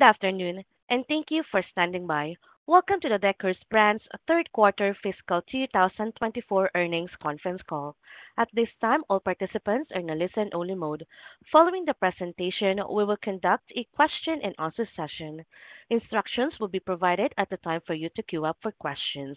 Good afternoon, and thank you for standing by. Welcome to the Deckers Brands' Third Quarter Fiscal 2024 Earnings Conference Call. At this time, all participants are in a listen-only mode. Following the presentation, we will conduct a question-and-answer session. Instructions will be provided at the time for you to queue up for questions.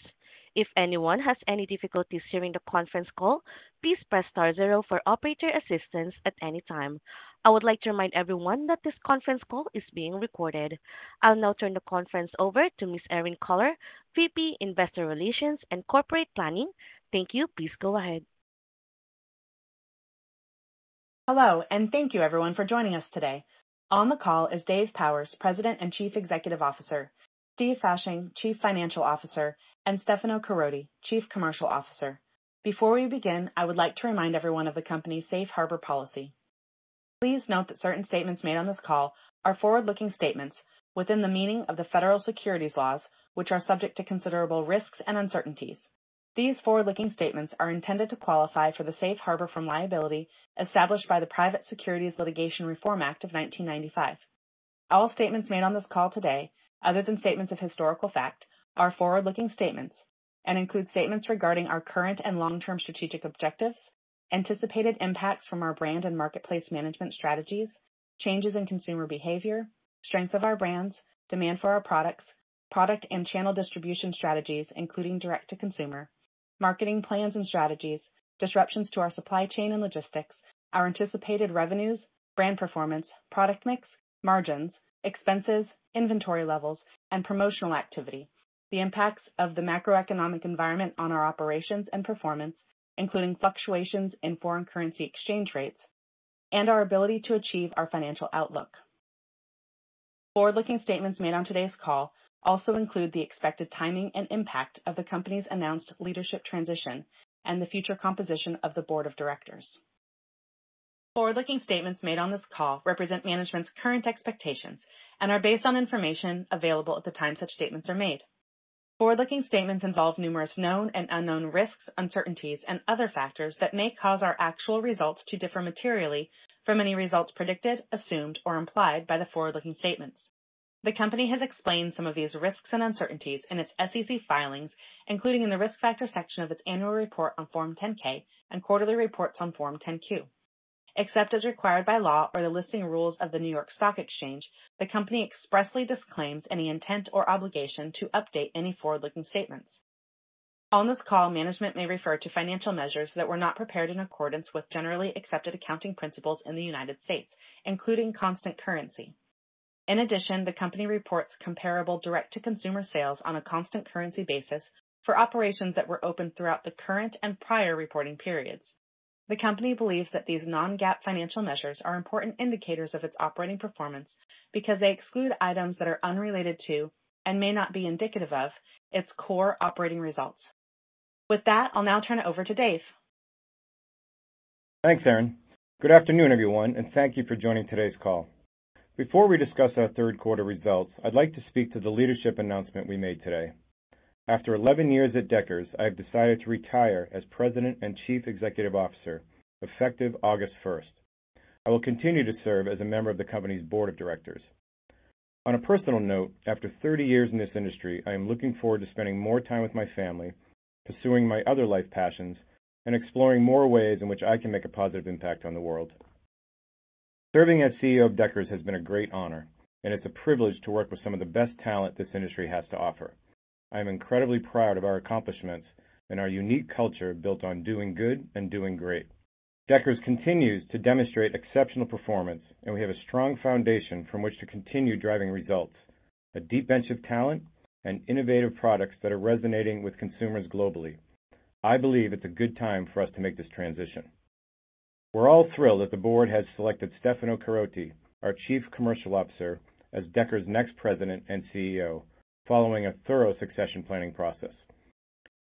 If anyone has any difficulties hearing the conference call, please press star zero for operator assistance at any time. I would like to remind everyone that this conference call is being recorded. I'll now turn the conference over to Ms. Erinn Kohler, VP, Investor Relations and Corporate Planning. Thank you. Please go ahead. Hello, and thank you, everyone, for joining us today. On the call is Dave Powers, President and Chief Executive Officer, Steve Fasching, Chief Financial Officer, and Stefano Caroti, Chief Commercial Officer. Before we begin, I would like to remind everyone of the company's safe harbor policy. Please note that certain statements made on this call are forward-looking statements within the meaning of the federal securities laws, which are subject to considerable risks and uncertainties. These forward-looking statements are intended to qualify for the safe harbor from liability established by the Private Securities Litigation Reform Act of 1995. All statements made on this call today, other than statements of historical fact, are forward-looking statements and include statements regarding our current and long-term strategic objectives, anticipated impacts from our brand and marketplace management strategies, changes in consumer behavior, strength of our brands, demand for our products, product and channel distribution strategies, including direct-to-consumer, marketing plans and strategies, disruptions to our supply chain and logistics, our anticipated revenues, brand performance, product mix, margins, expenses, inventory levels, and promotional activity, the impacts of the macroeconomic environment on our operations and performance, including fluctuations in foreign currency exchange rates, and our ability to achieve our financial outlook. Forward-looking statements made on today's call also include the expected timing and impact of the company's announced leadership transition and the future composition of the board of directors. Forward-looking statements made on this call represent management's current expectations and are based on information available at the time such statements are made. Forward-looking statements involve numerous known and unknown risks, uncertainties, and other factors that may cause our actual results to differ materially from any results predicted, assumed, or implied by the forward-looking statements. The Company has explained some of these risks and uncertainties in its SEC filings, including in the Risk Factors section of its annual report on Form 10-K and quarterly reports on Form 10-Q. Except as required by law or the listing rules of the New York Stock Exchange, the Company expressly disclaims any intent or obligation to update any forward-looking statements. On this call, management may refer to financial measures that were not prepared in accordance with generally accepted accounting principles in the United States, including constant currency. In addition, the company reports comparable direct-to-consumer sales on a constant currency basis for operations that were open throughout the current and prior reporting periods. The company believes that these Non-GAAP financial measures are important indicators of its operating performance because they exclude items that are unrelated to, and may not be indicative of, its core operating results. With that, I'll now turn it over to Dave. Thanks, Erinn. Good afternoon, everyone, and thank you for joining today's call. Before we discuss our third quarter results, I'd like to speak to the leadership announcement we made today. After 11 years at Deckers, I have decided to retire as President and Chief Executive Officer, effective August 1. I will continue to serve as a member of the company's board of directors. On a personal note, after 30 years in this industry, I am looking forward to spending more time with my family, pursuing my other life passions, and exploring more ways in which I can make a positive impact on the world. Serving as CEO of Deckers has been a great honor, and it's a privilege to work with some of the best talent this industry has to offer. I am incredibly proud of our accomplishments and our unique culture built on doing good and doing great. Deckers continues to demonstrate exceptional performance, and we have a strong foundation from which to continue driving results, a deep bench of talent, and innovative products that are resonating with consumers globally. I believe it's a good time for us to make this transition. We're all thrilled that the board has selected Stefano Caroti, our Chief Commercial Officer, as Deckers' next President and CEO, following a thorough succession planning process.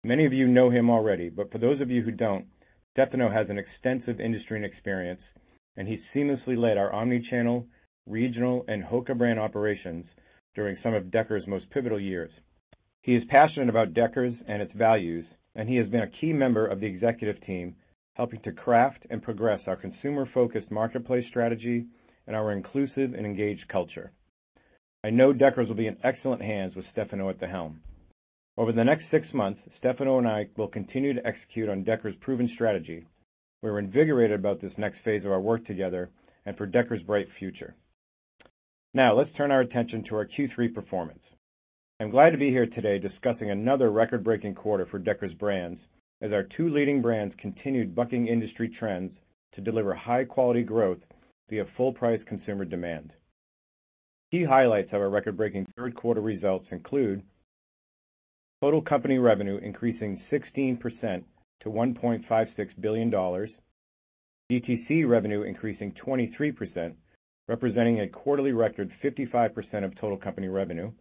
Many of you know him already, but for those of you who don't, Stefano has an extensive industry experience, and he seamlessly led our omni-channel, regional, and HOKA brand operations during some of Deckers' most pivotal years. He is passionate about Deckers and its values, and he has been a key member of the executive team, helping to craft and progress our consumer-focused marketplace strategy and our inclusive and engaged culture. I know Deckers will be in excellent hands with Stefano at the helm. Over the next six months, Stefano and I will continue to execute on Deckers' proven strategy. We're invigorated about this next phase of our work together and for Deckers' bright future. Now, let's turn our attention to our Q3 performance. I'm glad to be here today discussing another record-breaking quarter for Deckers Brands, as our two leading brands continued bucking industry trends to deliver high-quality growth via full-price consumer demand. Key highlights of our record-breaking third quarter results include total company revenue increasing 16% to $1.56 billion, DTC revenue increasing 23%, representing a quarterly record 55% of total company revenue,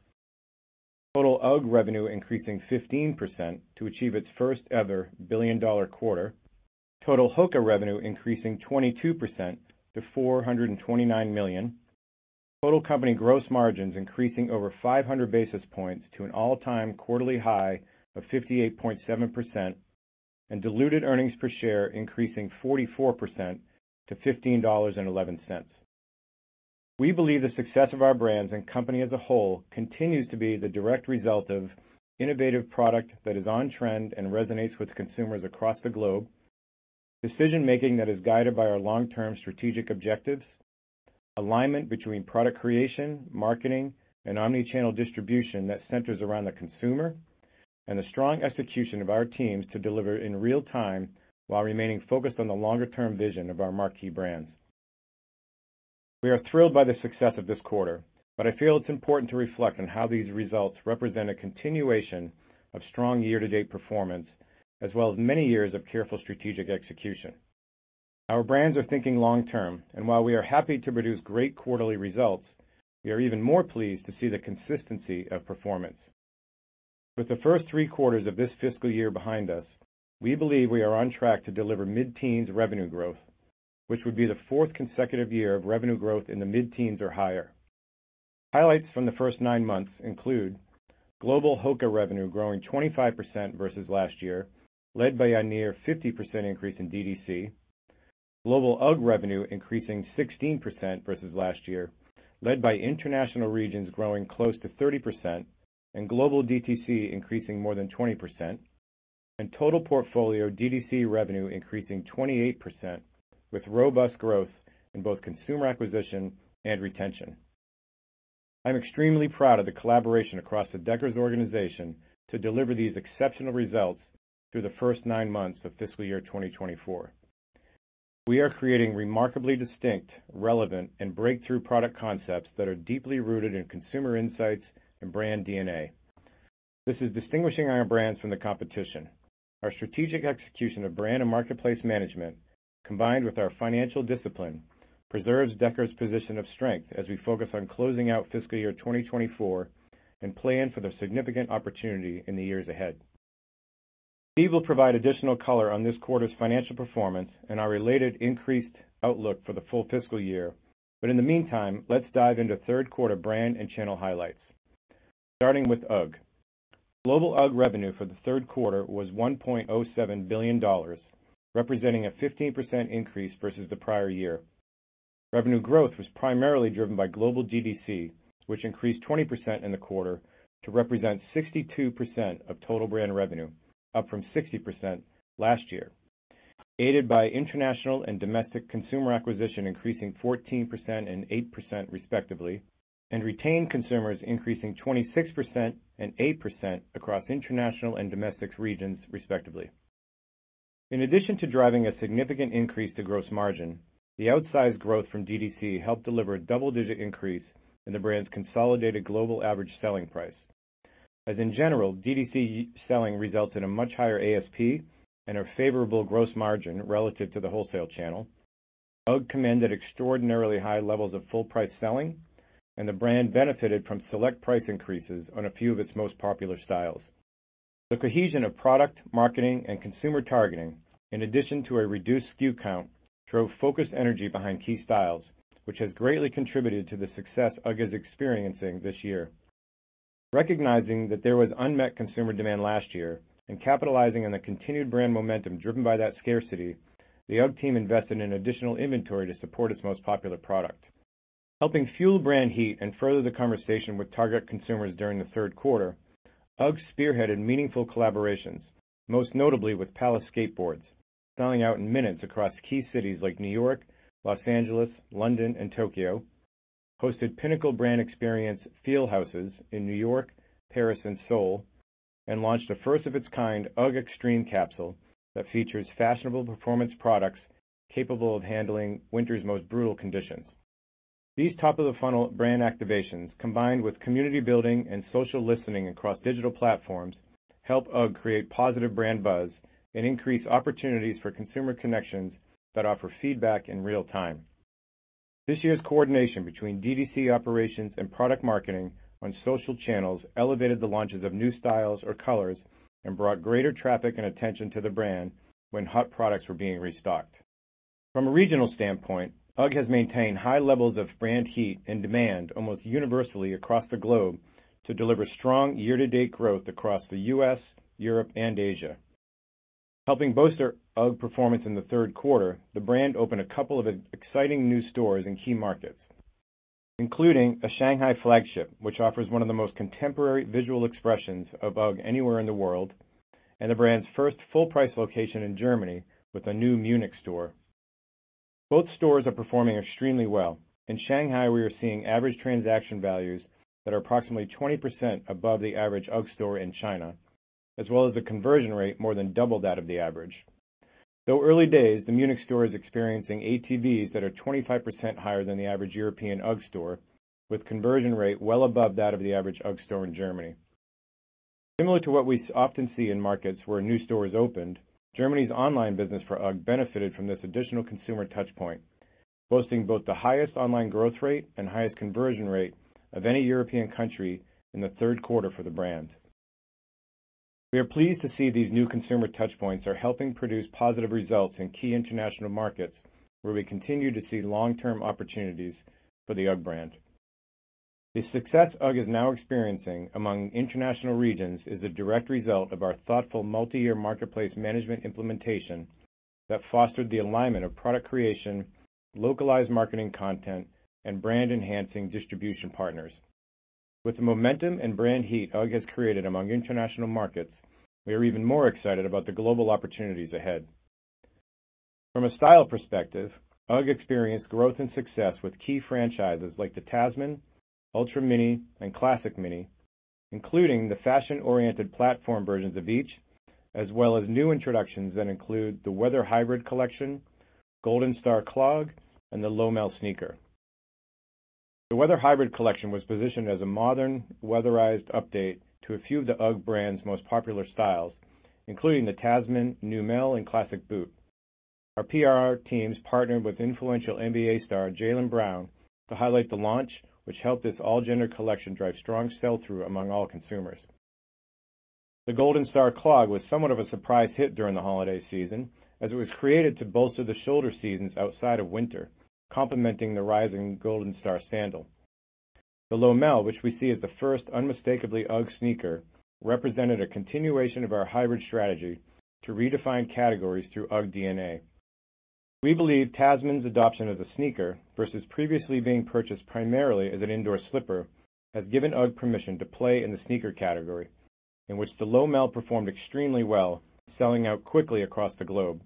total UGG revenue increasing 15% to achieve its first-ever billion-dollar quarter, total HOKA revenue increasing 22% to $429 million, total company gross margins increasing over 500 basis points to an all-time quarterly high of 58.7%, and diluted earnings per share increasing 44% to $15.11. We believe the success of our brands and company as a whole continues to be the direct result of innovative product that is on trend and resonates with consumers across the globe. Decision-making that is guided by our long-term strategic objectives, alignment between product creation, marketing, and omni-channel distribution that centers around the consumer, and the strong execution of our teams to deliver in real time while remaining focused on the longer-term vision of our marquee brands. We are thrilled by the success of this quarter, but I feel it's important to reflect on how these results represent a continuation of strong year-to-date performance, as well as many years of careful strategic execution. Our brands are thinking long term, and while we are happy to produce great quarterly results, we are even more pleased to see the consistency of performance. With the first three quarters of this fiscal year behind us, we believe we are on track to deliver mid-teens revenue growth, which would be the fourth consecutive year of revenue growth in the mid-teens or higher. Highlights from the first nine months include: Global HOKA revenue growing 25% versus last year, led by a near 50% increase in DDC. Global UGG revenue increasing 16% versus last year, led by international regions growing close to 30% and global DTC increasing more than 20%, and total portfolio DDC revenue increasing 28%, with robust growth in both consumer acquisition and retention. I'm extremely proud of the collaboration across the Deckers organization to deliver these exceptional results through the first nine months of fiscal year 2024. We are creating remarkably distinct, relevant, and breakthrough product concepts that are deeply rooted in consumer insights and brand DNA. This is distinguishing our brands from the competition. Our strategic execution of brand and marketplace management, combined with our financial discipline, preserves Deckers' position of strength as we focus on closing out fiscal year 2024 and plan for the significant opportunity in the years ahead. Steve will provide additional color on this quarter's financial performance and our related increased outlook for the full fiscal year, but in the meantime, let's dive into third quarter brand and channel highlights. Starting with UGG. Global UGG revenue for the third quarter was $1.07 billion, representing a 15% increase versus the prior year. Revenue growth was primarily driven by global DTC, which increased 20% in the quarter to represent 62% of total brand revenue, up from 60% last year, aided by international and domestic consumer acquisition increasing 14% and 8%, respectively, and retained consumers increasing 26% and 8% across international and domestic regions, respectively. In addition to driving a significant increase to gross margin, the outsized growth from DTC helped deliver a double-digit increase in the brand's consolidated global average selling price. As in general, DTC selling results in a much higher ASP and a favorable gross margin relative to the wholesale channel. UGG commanded extraordinarily high levels of full price selling, and the brand benefited from select price increases on a few of its most popular styles. The cohesion of product, marketing, and consumer targeting, in addition to a reduced SKU count, drove focused energy behind key styles, which has greatly contributed to the success UGG is experiencing this year. Recognizing that there was unmet consumer demand last year and capitalizing on the continued brand momentum driven by that scarcity, the UGG team invested in additional inventory to support its most popular product. Helping fuel brand heat and further the conversation with target consumers during the third quarter, UGG spearheaded meaningful collaborations, most notably with Palace Skateboards, selling out in minutes across key cities like New York, Los Angeles, London, and Tokyo, hosted pinnacle brand experience Feel Houses in New York, Paris, and Seoul, and launched a first-of-its-kind UGG Extreme capsule that features fashionable performance products capable of handling winter's most brutal conditions. These top-of-the-funnel brand activations, combined with community building and social listening across digital platforms, help UGG create positive brand buzz and increase opportunities for consumer connections that offer feedback in real time. This year's coordination between DDC operations and product marketing on social channels elevated the launches of new styles or colors and brought greater traffic and attention to the brand when hot products were being restocked. From a regional standpoint, UGG has maintained high levels of brand heat and demand almost universally across the globe to deliver strong year-to-date growth across the U.S., Europe, and Asia. Helping bolster UGG performance in the third quarter, the brand opened a couple of exciting new stores in key markets, including a Shanghai flagship, which offers one of the most contemporary visual expressions of UGG anywhere in the world, and the brand's first full-price location in Germany with a new Munich store. Both stores are performing extremely well. In Shanghai, we are seeing average transaction values that are approximately 20% above the average UGG store in China, as well as a conversion rate more than double that of the average. Though early days, the Munich store is experiencing ATVs that are 25% higher than the average European UGG store, with conversion rate well above that of the average UGG store in Germany. Similar to what we often see in markets where a new store is opened, Germany's online business for UGG benefited from this additional consumer touch point, boasting both the highest online growth rate and highest conversion rate of any European country in the third quarter for the brand. We are pleased to see these new consumer touch points are helping produce positive results in key international markets, where we continue to see long-term opportunities for the UGG brand.... The success UGG is now experiencing among international regions is a direct result of our thoughtful multi-year marketplace management implementation that fostered the alignment of product creation, localized marketing content, and brand-enhancing distribution partners. With the momentum and brand heat UGG has created among international markets, we are even more excited about the global opportunities ahead. From a style perspective, UGG experienced growth and success with key franchises like the Tasman, Ultra Mini, and Classic Mini, including the fashion-oriented platform versions of each, as well as new introductions that include the Weather Hybrid collection, Goldenstar Clog, and the Lowmel sneaker. The Weather Hybrid collection was positioned as a modern weatherized update to a few of the UGG brand's most popular styles, including the Tasman, Neumel, and Classic boot. Our PR teams partnered with influential NBA star Jaylen Brown to highlight the launch, which helped this all-gender collection drive strong sell-through among all consumers. The Goldenstar Clog was somewhat of a surprise hit during the holiday season, as it was created to bolster the shoulder seasons outside of winter, complementing the rising Goldenstar sandal. The Lowmel, which we see as the first unmistakably UGG sneaker, represented a continuation of our hybrid strategy to redefine categories through UGG DNA. We believe Tasman's adoption of the sneaker versus previously being purchased primarily as an indoor slipper, has given UGG permission to play in the sneaker category, in which the Lowmel performed extremely well, selling out quickly across the globe.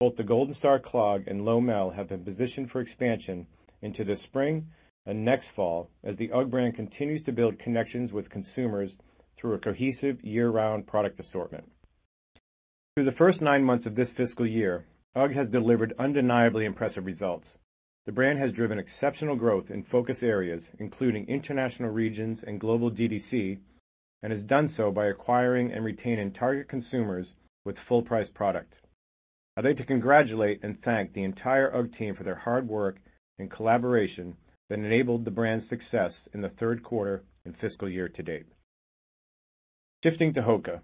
Both the Goldenstar Clog and Lowmel have been positioned for expansion into the spring and next fall as the UGG brand continues to build connections with consumers through a cohesive year-round product assortment. Through the first nine months of this fiscal year, UGG has delivered undeniably impressive results. The brand has driven exceptional growth in focus areas, including international regions and global DDC, and has done so by acquiring and retaining target consumers with full-price product. I'd like to congratulate and thank the entire UGG team for their hard work and collaboration that enabled the brand's success in the third quarter and fiscal year to date. Shifting to HOKA.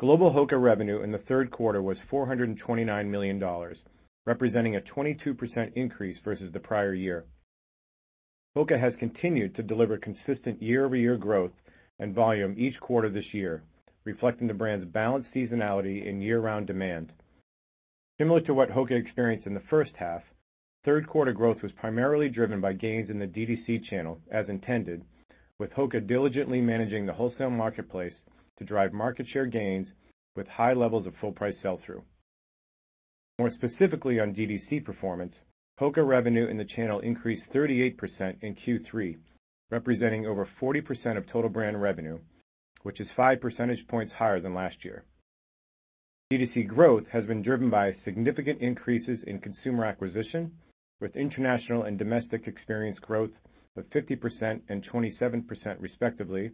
Global HOKA revenue in the third quarter was $429 million, representing a 22% increase versus the prior year. HOKA has continued to deliver consistent year-over-year growth and volume each quarter this year, reflecting the brand's balanced seasonality and year-round demand. Similar to what HOKA experienced in the first half, third quarter growth was primarily driven by gains in the DDC channel, as intended, with HOKA diligently managing the wholesale marketplace to drive market share gains with high levels of full price sell-through. More specifically on DDC performance, HOKA revenue in the channel increased 38% in Q3, representing over 40% of total brand revenue, which is 5 percentage points higher than last year. DDC growth has been driven by significant increases in consumer acquisition, with international and domestic experience growth of 50% and 27% respectively,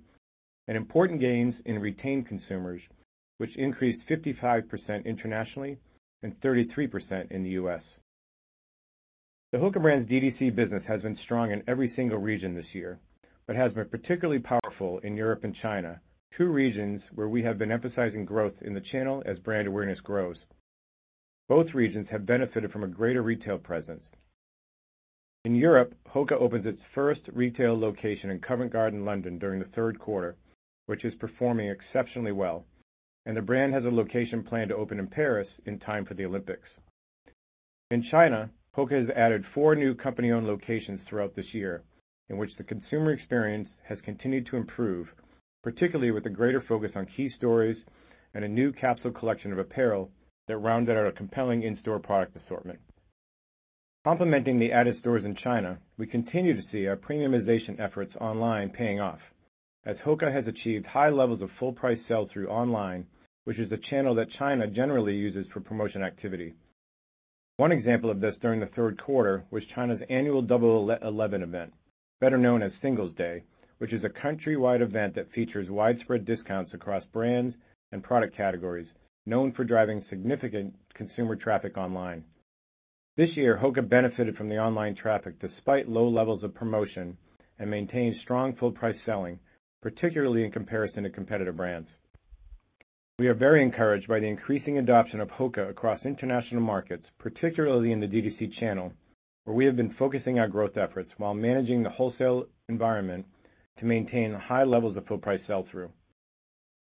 and important gains in retained consumers, which increased 55% internationally and 33% in the U.S. The HOKA brand's DDC business has been strong in every single region this year, but has been particularly powerful in Europe and China, two regions where we have been emphasizing growth in the channel as brand awareness grows. Both regions have benefited from a greater retail presence. In Europe, HOKA opened its first retail location in Covent Garden, London, during the third quarter, which is performing exceptionally well, and the brand has a location planned to open in Paris in time for the Olympics. In China, HOKA has added four new company-owned locations throughout this year, in which the consumer experience has continued to improve, particularly with a greater focus on key stores and a new capsule collection of apparel that rounded out a compelling in-store product assortment. Complementing the added stores in China, we continue to see our premiumization efforts online paying off, as HOKA has achieved high levels of full price sell-through online, which is the channel that China generally uses for promotion activity. One example of this during the third quarter was China's annual Double Eleven event, better known as Singles Day, which is a countrywide event that features widespread discounts across brands and product categories, known for driving significant consumer traffic online. This year, HOKA benefited from the online traffic despite low levels of promotion and maintained strong full-price selling, particularly in comparison to competitive brands. We are very encouraged by the increasing adoption of HOKA across international markets, particularly in the DTC channel, where we have been focusing our growth efforts while managing the wholesale environment to maintain high levels of full-price sell-through.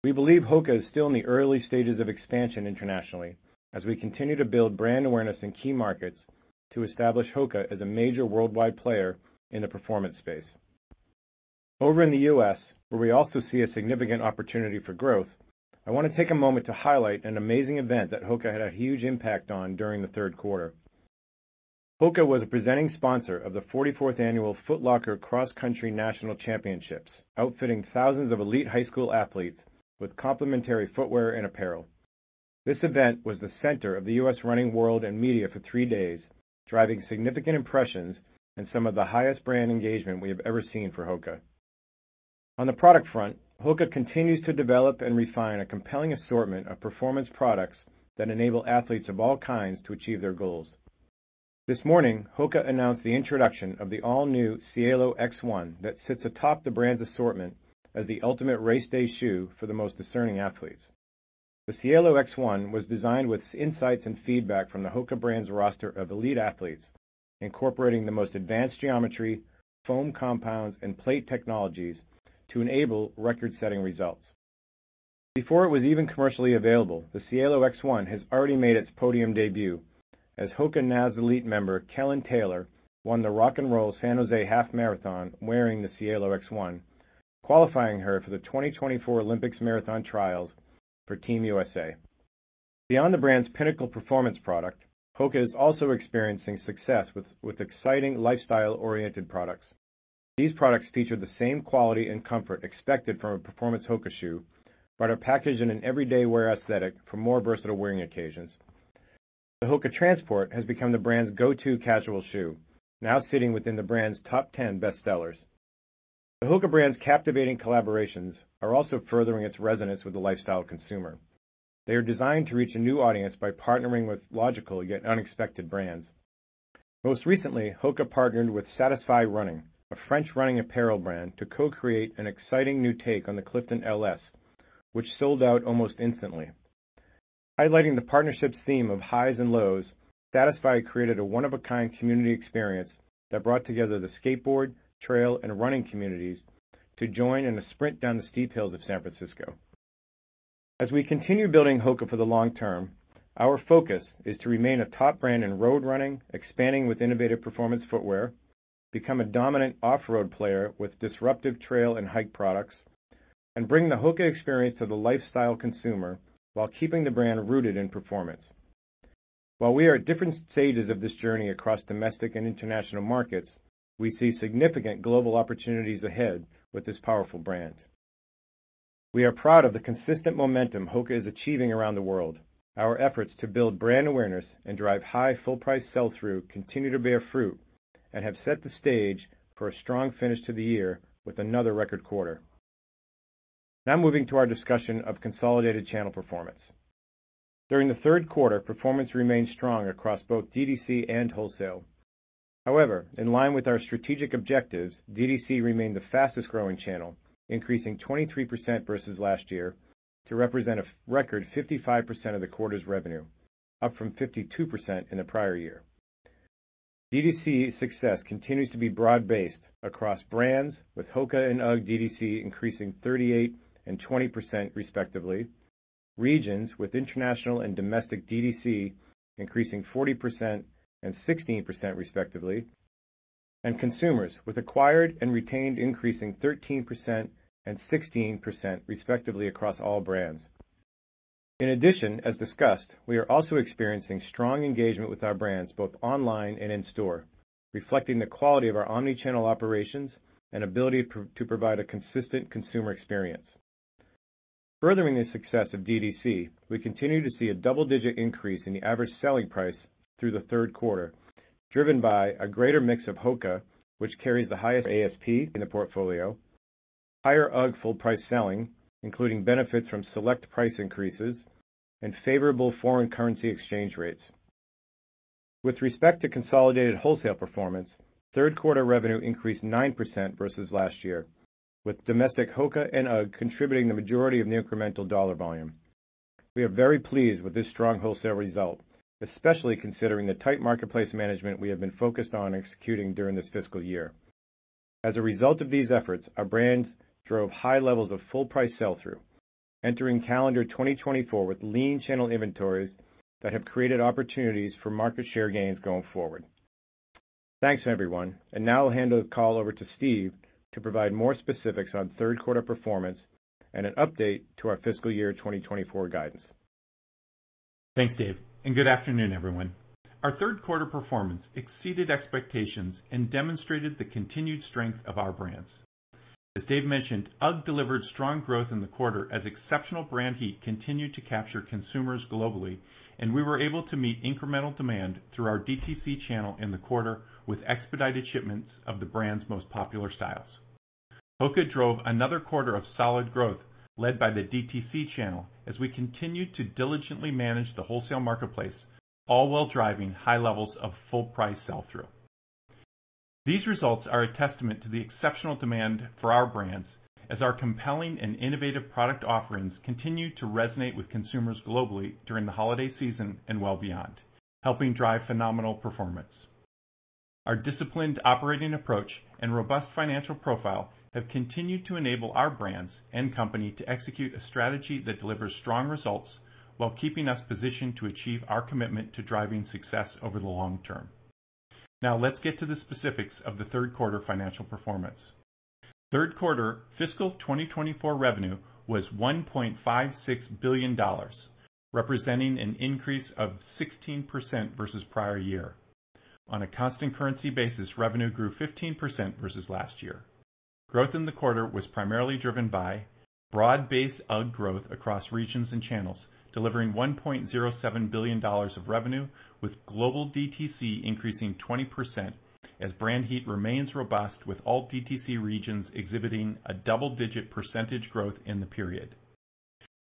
We believe HOKA is still in the early stages of expansion internationally as we continue to build brand awareness in key markets to establish HOKA as a major worldwide player in the performance space. Over in the U.S., where we also see a significant opportunity for growth, I want to take a moment to highlight an amazing event that HOKA had a huge impact on during the third quarter. HOKA was a presenting sponsor of the forty-fourth annual Foot Locker Cross Country National Championships, outfitting thousands of elite high school athletes with complimentary footwear and apparel. This event was the center of the U.S. running world and media for three days, driving significant impressions and some of the highest brand engagement we have ever seen for HOKA. On the product front, HOKA continues to develop and refine a compelling assortment of performance products that enable athletes of all kinds to achieve their goals. This morning, HOKA announced the introduction of the all-new Cielo X1 that sits atop the brand's assortment as the ultimate race day shoe for the most discerning athletes.... The Cielo X1 was designed with insights and feedback from the HOKA brand's roster of elite athletes, incorporating the most advanced geometry, foam compounds, and plate technologies to enable record-setting results. Before it was even commercially available, the Cielo X1 has already made its podium debut, as HOKA NAZ Elite member Kellyn Taylor won the Rock 'n' Roll San Jose Half Marathon wearing the Cielo X1, qualifying her for the 2024 Olympics marathon trials for Team USA. Beyond the brand's pinnacle performance product, HOKA is also experiencing success with exciting lifestyle-oriented products. These products feature the same quality and comfort expected from a performance HOKA shoe, but are packaged in an everyday wear aesthetic for more versatile wearing occasions. The HOKA Transport has become the brand's go-to casual shoe, now sitting within the brand's top ten bestsellers. The HOKA brand's captivating collaborations are also furthering its resonance with the lifestyle consumer. They are designed to reach a new audience by partnering with logical yet unexpected brands. Most recently, HOKA partnered with Satisfy Running, a French running apparel brand, to co-create an exciting new take on the Clifton LS, which sold out almost instantly. Highlighting the partnership's theme of highs and lows, Satisfy created a one-of-a-kind community experience that brought together the skateboard, trail, and running communities to join in a sprint down the steep hills of San Francisco. As we continue building HOKA for the long term, our focus is to remain a top brand in road running, expanding with innovative performance footwear, become a dominant off-road player with disruptive trail and hike products, and bring the HOKA experience to the lifestyle consumer while keeping the brand rooted in performance. While we are at different stages of this journey across domestic and international markets, we see significant global opportunities ahead with this powerful brand. We are proud of the consistent momentum HOKA is achieving around the world. Our efforts to build brand awareness and drive high full price sell-through continue to bear fruit and have set the stage for a strong finish to the year with another record quarter. Now moving to our discussion of consolidated channel performance. During the third quarter, performance remained strong across both DTC and wholesale. However, in line with our strategic objectives, DTC remained the fastest-growing channel, increasing 23% versus last year to represent a record 55% of the quarter's revenue, up from 52% in the prior year. DTC's success continues to be broad-based across brands, with HOKA and UGG DTC increasing 38% and 20%, respectively. Regions with international and domestic DTC increasing 40% and 16%, respectively, and consumers with acquired and retained increasing 13% and 16%, respectively, across all brands. In addition, as discussed, we are also experiencing strong engagement with our brands, both online and in store, reflecting the quality of our omni-channel operations and ability to provide a consistent consumer experience. Furthering the success of DDC, we continue to see a double-digit increase in the average selling price through the third quarter, driven by a greater mix of HOKA, which carries the highest ASP in the portfolio, higher UGG full price selling, including benefits from select price increases and favorable foreign currency exchange rates. With respect to consolidated wholesale performance, third quarter revenue increased 9% versus last year, with domestic HOKA and UGG contributing the majority of the incremental dollar volume. We are very pleased with this strong wholesale result, especially considering the tight marketplace management we have been focused on executing during this fiscal year. As a result of these efforts, our brands drove high levels of full price sell-through, entering calendar 2024 with lean channel inventories that have created opportunities for market share gains going forward. Thanks, everyone. Now I'll hand the call over to Steve to provide more specifics on third quarter performance and an update to our fiscal year 2024 guidance. Thanks, Dave, and good afternoon, everyone. Our third quarter performance exceeded expectations and demonstrated the continued strength of our brands. As Dave mentioned, UGG delivered strong growth in the quarter as exceptional brand heat continued to capture consumers globally, and we were able to meet incremental demand through our DTC channel in the quarter with expedited shipments of the brand's most popular styles. HOKA drove another quarter of solid growth, led by the DTC channel, as we continued to diligently manage the wholesale marketplace, all while driving high levels of full price sell-through. These results are a testament to the exceptional demand for our brands as our compelling and innovative product offerings continue to resonate with consumers globally during the holiday season and well beyond, helping drive phenomenal performance. Our disciplined operating approach and robust financial profile have continued to enable our brands and company to execute a strategy that delivers strong results while keeping us positioned to achieve our commitment to driving success over the long term. Now, let's get to the specifics of the third quarter financial performance. Third quarter fiscal 2024 revenue was $1.56 billion, representing an increase of 16% versus prior year. On a constant currency basis, revenue grew 15% versus last year. Growth in the quarter was primarily driven by broad-based UGG growth across regions and channels, delivering $1.07 billion of revenue, with global DTC increasing 20% as brand heat remains robust, with all DTC regions exhibiting a double-digit percentage growth in the period.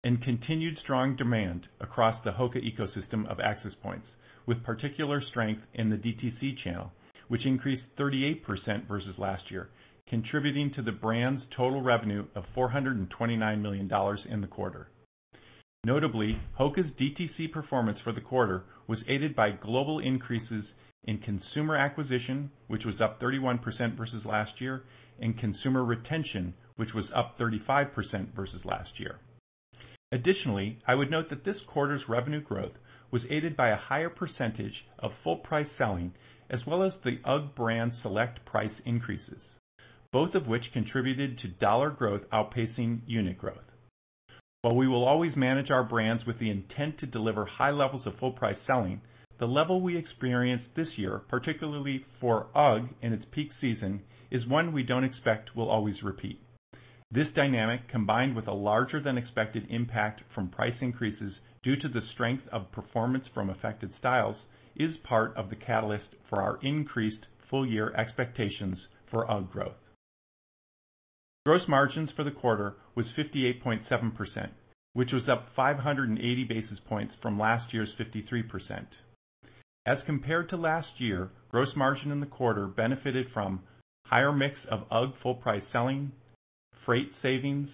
Continued strong demand across the HOKA ecosystem of access points, with particular strength in the DTC channel, which increased 38% versus last year, contributing to the brand's total revenue of $429 million in the quarter. Notably, HOKA's DTC performance for the quarter was aided by global increases in consumer acquisition, which was up 31% versus last year, and consumer retention, which was up 35% versus last year. Additionally, I would note that this quarter's revenue growth was aided by a higher percentage of full price selling, as well as the UGG brand select price increases, both of which contributed to dollar growth outpacing unit growth. While we will always manage our brands with the intent to deliver high levels of full price selling, the level we experienced this year, particularly for UGG in its peak season, is one we don't expect will always repeat. This dynamic, combined with a larger than expected impact from price increases due to the strength of performance from affected styles, is part of the catalyst for our increased full-year expectations for UGG growth. Gross margins for the quarter was 58.7%, which was up 580 basis points from last year's 53%. As compared to last year, gross margin in the quarter benefited from higher mix of UGG full price selling, freight savings,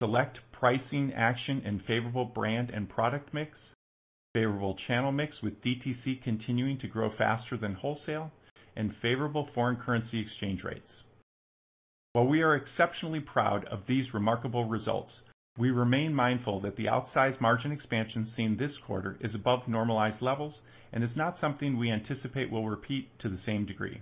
select pricing action, and favorable brand and product mix, favorable channel mix, with DTC continuing to grow faster than wholesale, and favorable foreign currency exchange rates. While we are exceptionally proud of these remarkable results, we remain mindful that the outsized margin expansion seen this quarter is above normalized levels and is not something we anticipate will repeat to the same degree.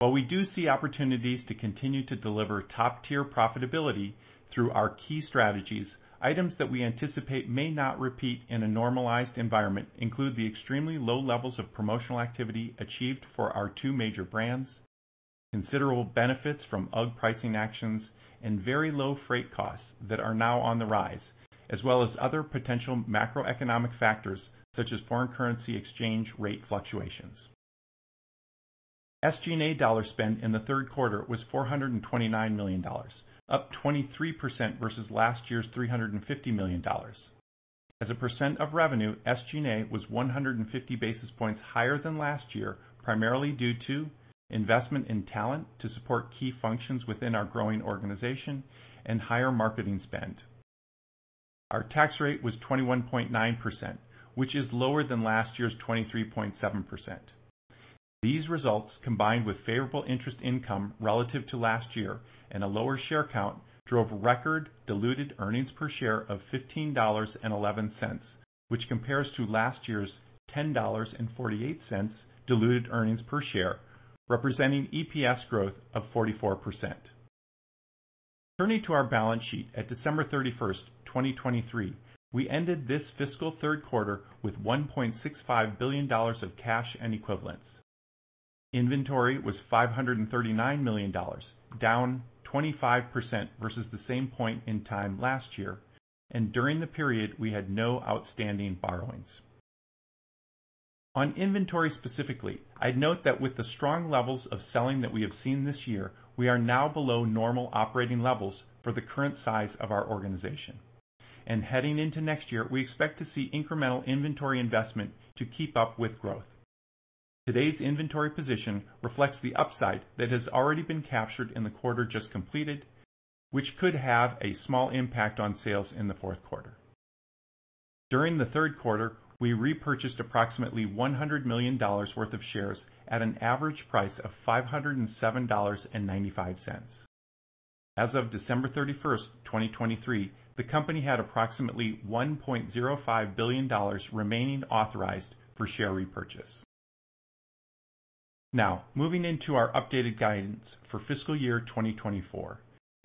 While we do see opportunities to continue to deliver top-tier profitability through our key strategies, items that we anticipate may not repeat in a normalized environment include the extremely low levels of promotional activity achieved for our two major brands, considerable benefits from UGG pricing actions, and very low freight costs that are now on the rise, as well as other potential macroeconomic factors such as foreign currency exchange rate fluctuations. SG&A dollar spend in the third quarter was $429 million, up 23% versus last year's $350 million. As a percent of revenue, SG&A was 150 basis points higher than last year, primarily due to investment in talent to support key functions within our growing organization and higher marketing spend. Our tax rate was 21.9%, which is lower than last year's 23.7%. These results, combined with favorable interest income relative to last year and a lower share count, drove record diluted earnings per share of $15.11, which compares to last year's $10.48 diluted earnings per share, representing EPS growth of 44%. Turning to our balance sheet at December 31, 2023, we ended this fiscal third quarter with $1.65 billion of cash and equivalents. Inventory was $539 million, down 25% versus the same point in time last year, and during the period, we had no outstanding borrowings. On inventory specifically, I'd note that with the strong levels of selling that we have seen this year, we are now below normal operating levels for the current size of our organization. Heading into next year, we expect to see incremental inventory investment to keep up with growth. Today's inventory position reflects the upside that has already been captured in the quarter just completed, which could have a small impact on sales in the fourth quarter. During the third quarter, we repurchased approximately $100 million worth of shares at an average price of $507.95. As of December 31, 2023, the company had approximately $1.05 billion remaining authorized for share repurchase. Now, moving into our updated guidance for fiscal year 2024.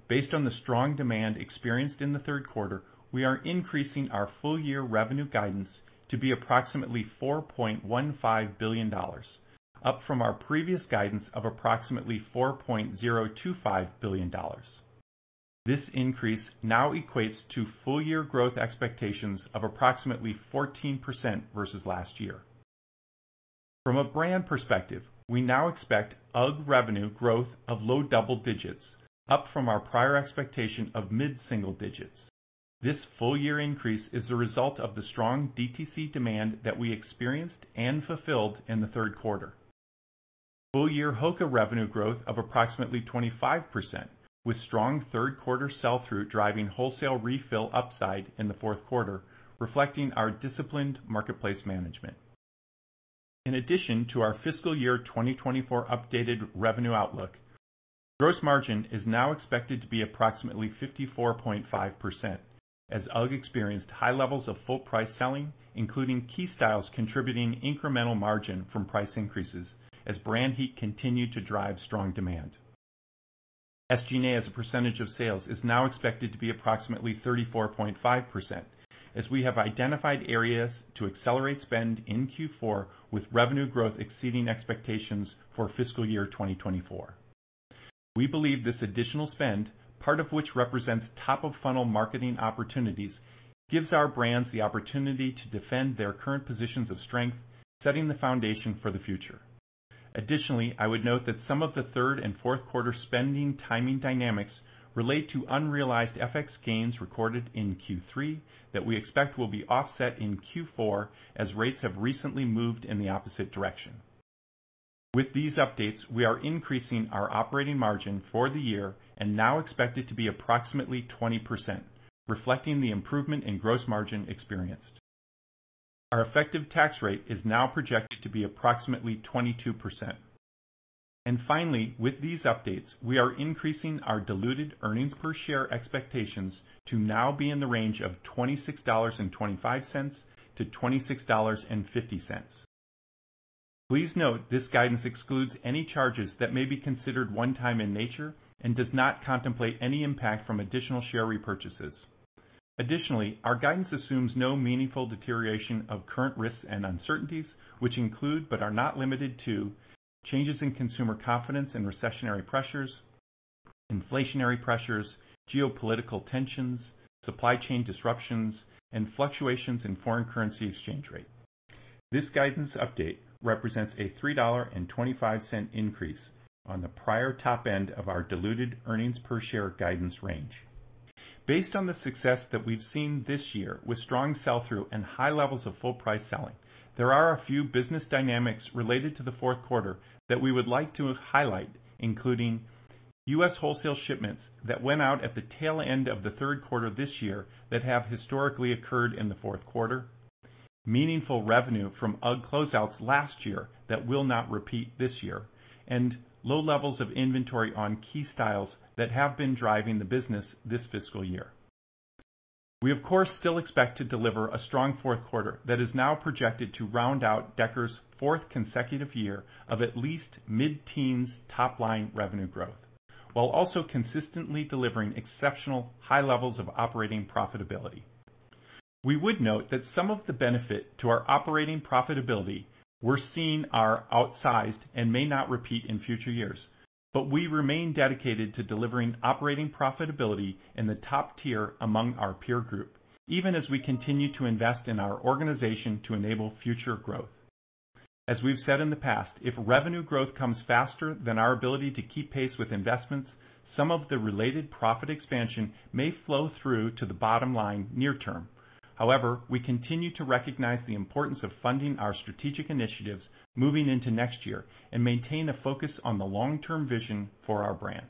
Based on the strong demand experienced in the third quarter, we are increasing our full-year revenue guidance to be approximately $4.15 billion, up from our previous guidance of approximately $4.025 billion. This increase now equates to full-year growth expectations of approximately 14% versus last year. From a brand perspective, we now expect UGG revenue growth of low double digits, up from our prior expectation of mid-single digits. This full-year increase is the result of the strong DTC demand that we experienced and fulfilled in the third quarter. Full-year HOKA revenue growth of approximately 25%, with strong third quarter sell-through, driving wholesale refill upside in the fourth quarter, reflecting our disciplined marketplace management. In addition to our fiscal year 2024 updated revenue outlook, gross margin is now expected to be approximately 54.5%, as UGG experienced high levels of full price selling, including key styles, contributing incremental margin from price increases as brand heat continued to drive strong demand. SG&A, as a percentage of sales, is now expected to be approximately 34.5%, as we have identified areas to accelerate spend in Q4 with revenue growth exceeding expectations for fiscal year 2024. We believe this additional spend, part of which represents top of funnel marketing opportunities, gives our brands the opportunity to defend their current positions of strength, setting the foundation for the future. Additionally, I would note that some of the third and fourth quarter spending timing dynamics relate to unrealized FX gains recorded in Q3 that we expect will be offset in Q4 as rates have recently moved in the opposite direction. With these updates, we are increasing our operating margin for the year and now expect it to be approximately 20%, reflecting the improvement in gross margin experienced. Our effective tax rate is now projected to be approximately 22%. And finally, with these updates, we are increasing our diluted earnings per share expectations to now be in the range of $26.25-$26.50. Please note this guidance excludes any charges that may be considered one-time in nature and does not contemplate any impact from additional share repurchases. Additionally, our guidance assumes no meaningful deterioration of current risks and uncertainties, which include, but are not limited to, changes in consumer confidence and recessionary pressures, inflationary pressures, geopolitical tensions, supply chain disruptions, and fluctuations in foreign currency exchange rate. This guidance update represents a $3.25 increase on the prior top end of our diluted earnings per share guidance range. Based on the success that we've seen this year with strong sell-through and high levels of full price selling, there are a few business dynamics related to the fourth quarter that we would like to highlight, including U.S. wholesale shipments that went out at the tail end of the third quarter this year that have historically occurred in the fourth quarter. Meaningful revenue from UGG closeouts last year that will not repeat this year, and low levels of inventory on key styles that have been driving the business this fiscal year. We, of course, still expect to deliver a strong fourth quarter that is now projected to round out Deckers' fourth consecutive year of at least mid-teens top-line revenue growth, while also consistently delivering exceptional high levels of operating profitability. We would note that some of the benefit to our operating profitability we're seeing are outsized and may not repeat in future years, but we remain dedicated to delivering operating profitability in the top tier among our peer group, even as we continue to invest in our organization to enable future growth. As we've said in the past, if revenue growth comes faster than our ability to keep pace with investments, some of the related profit expansion may flow through to the bottom line near term. However, we continue to recognize the importance of funding our strategic initiatives moving into next year and maintain a focus on the long-term vision for our brands.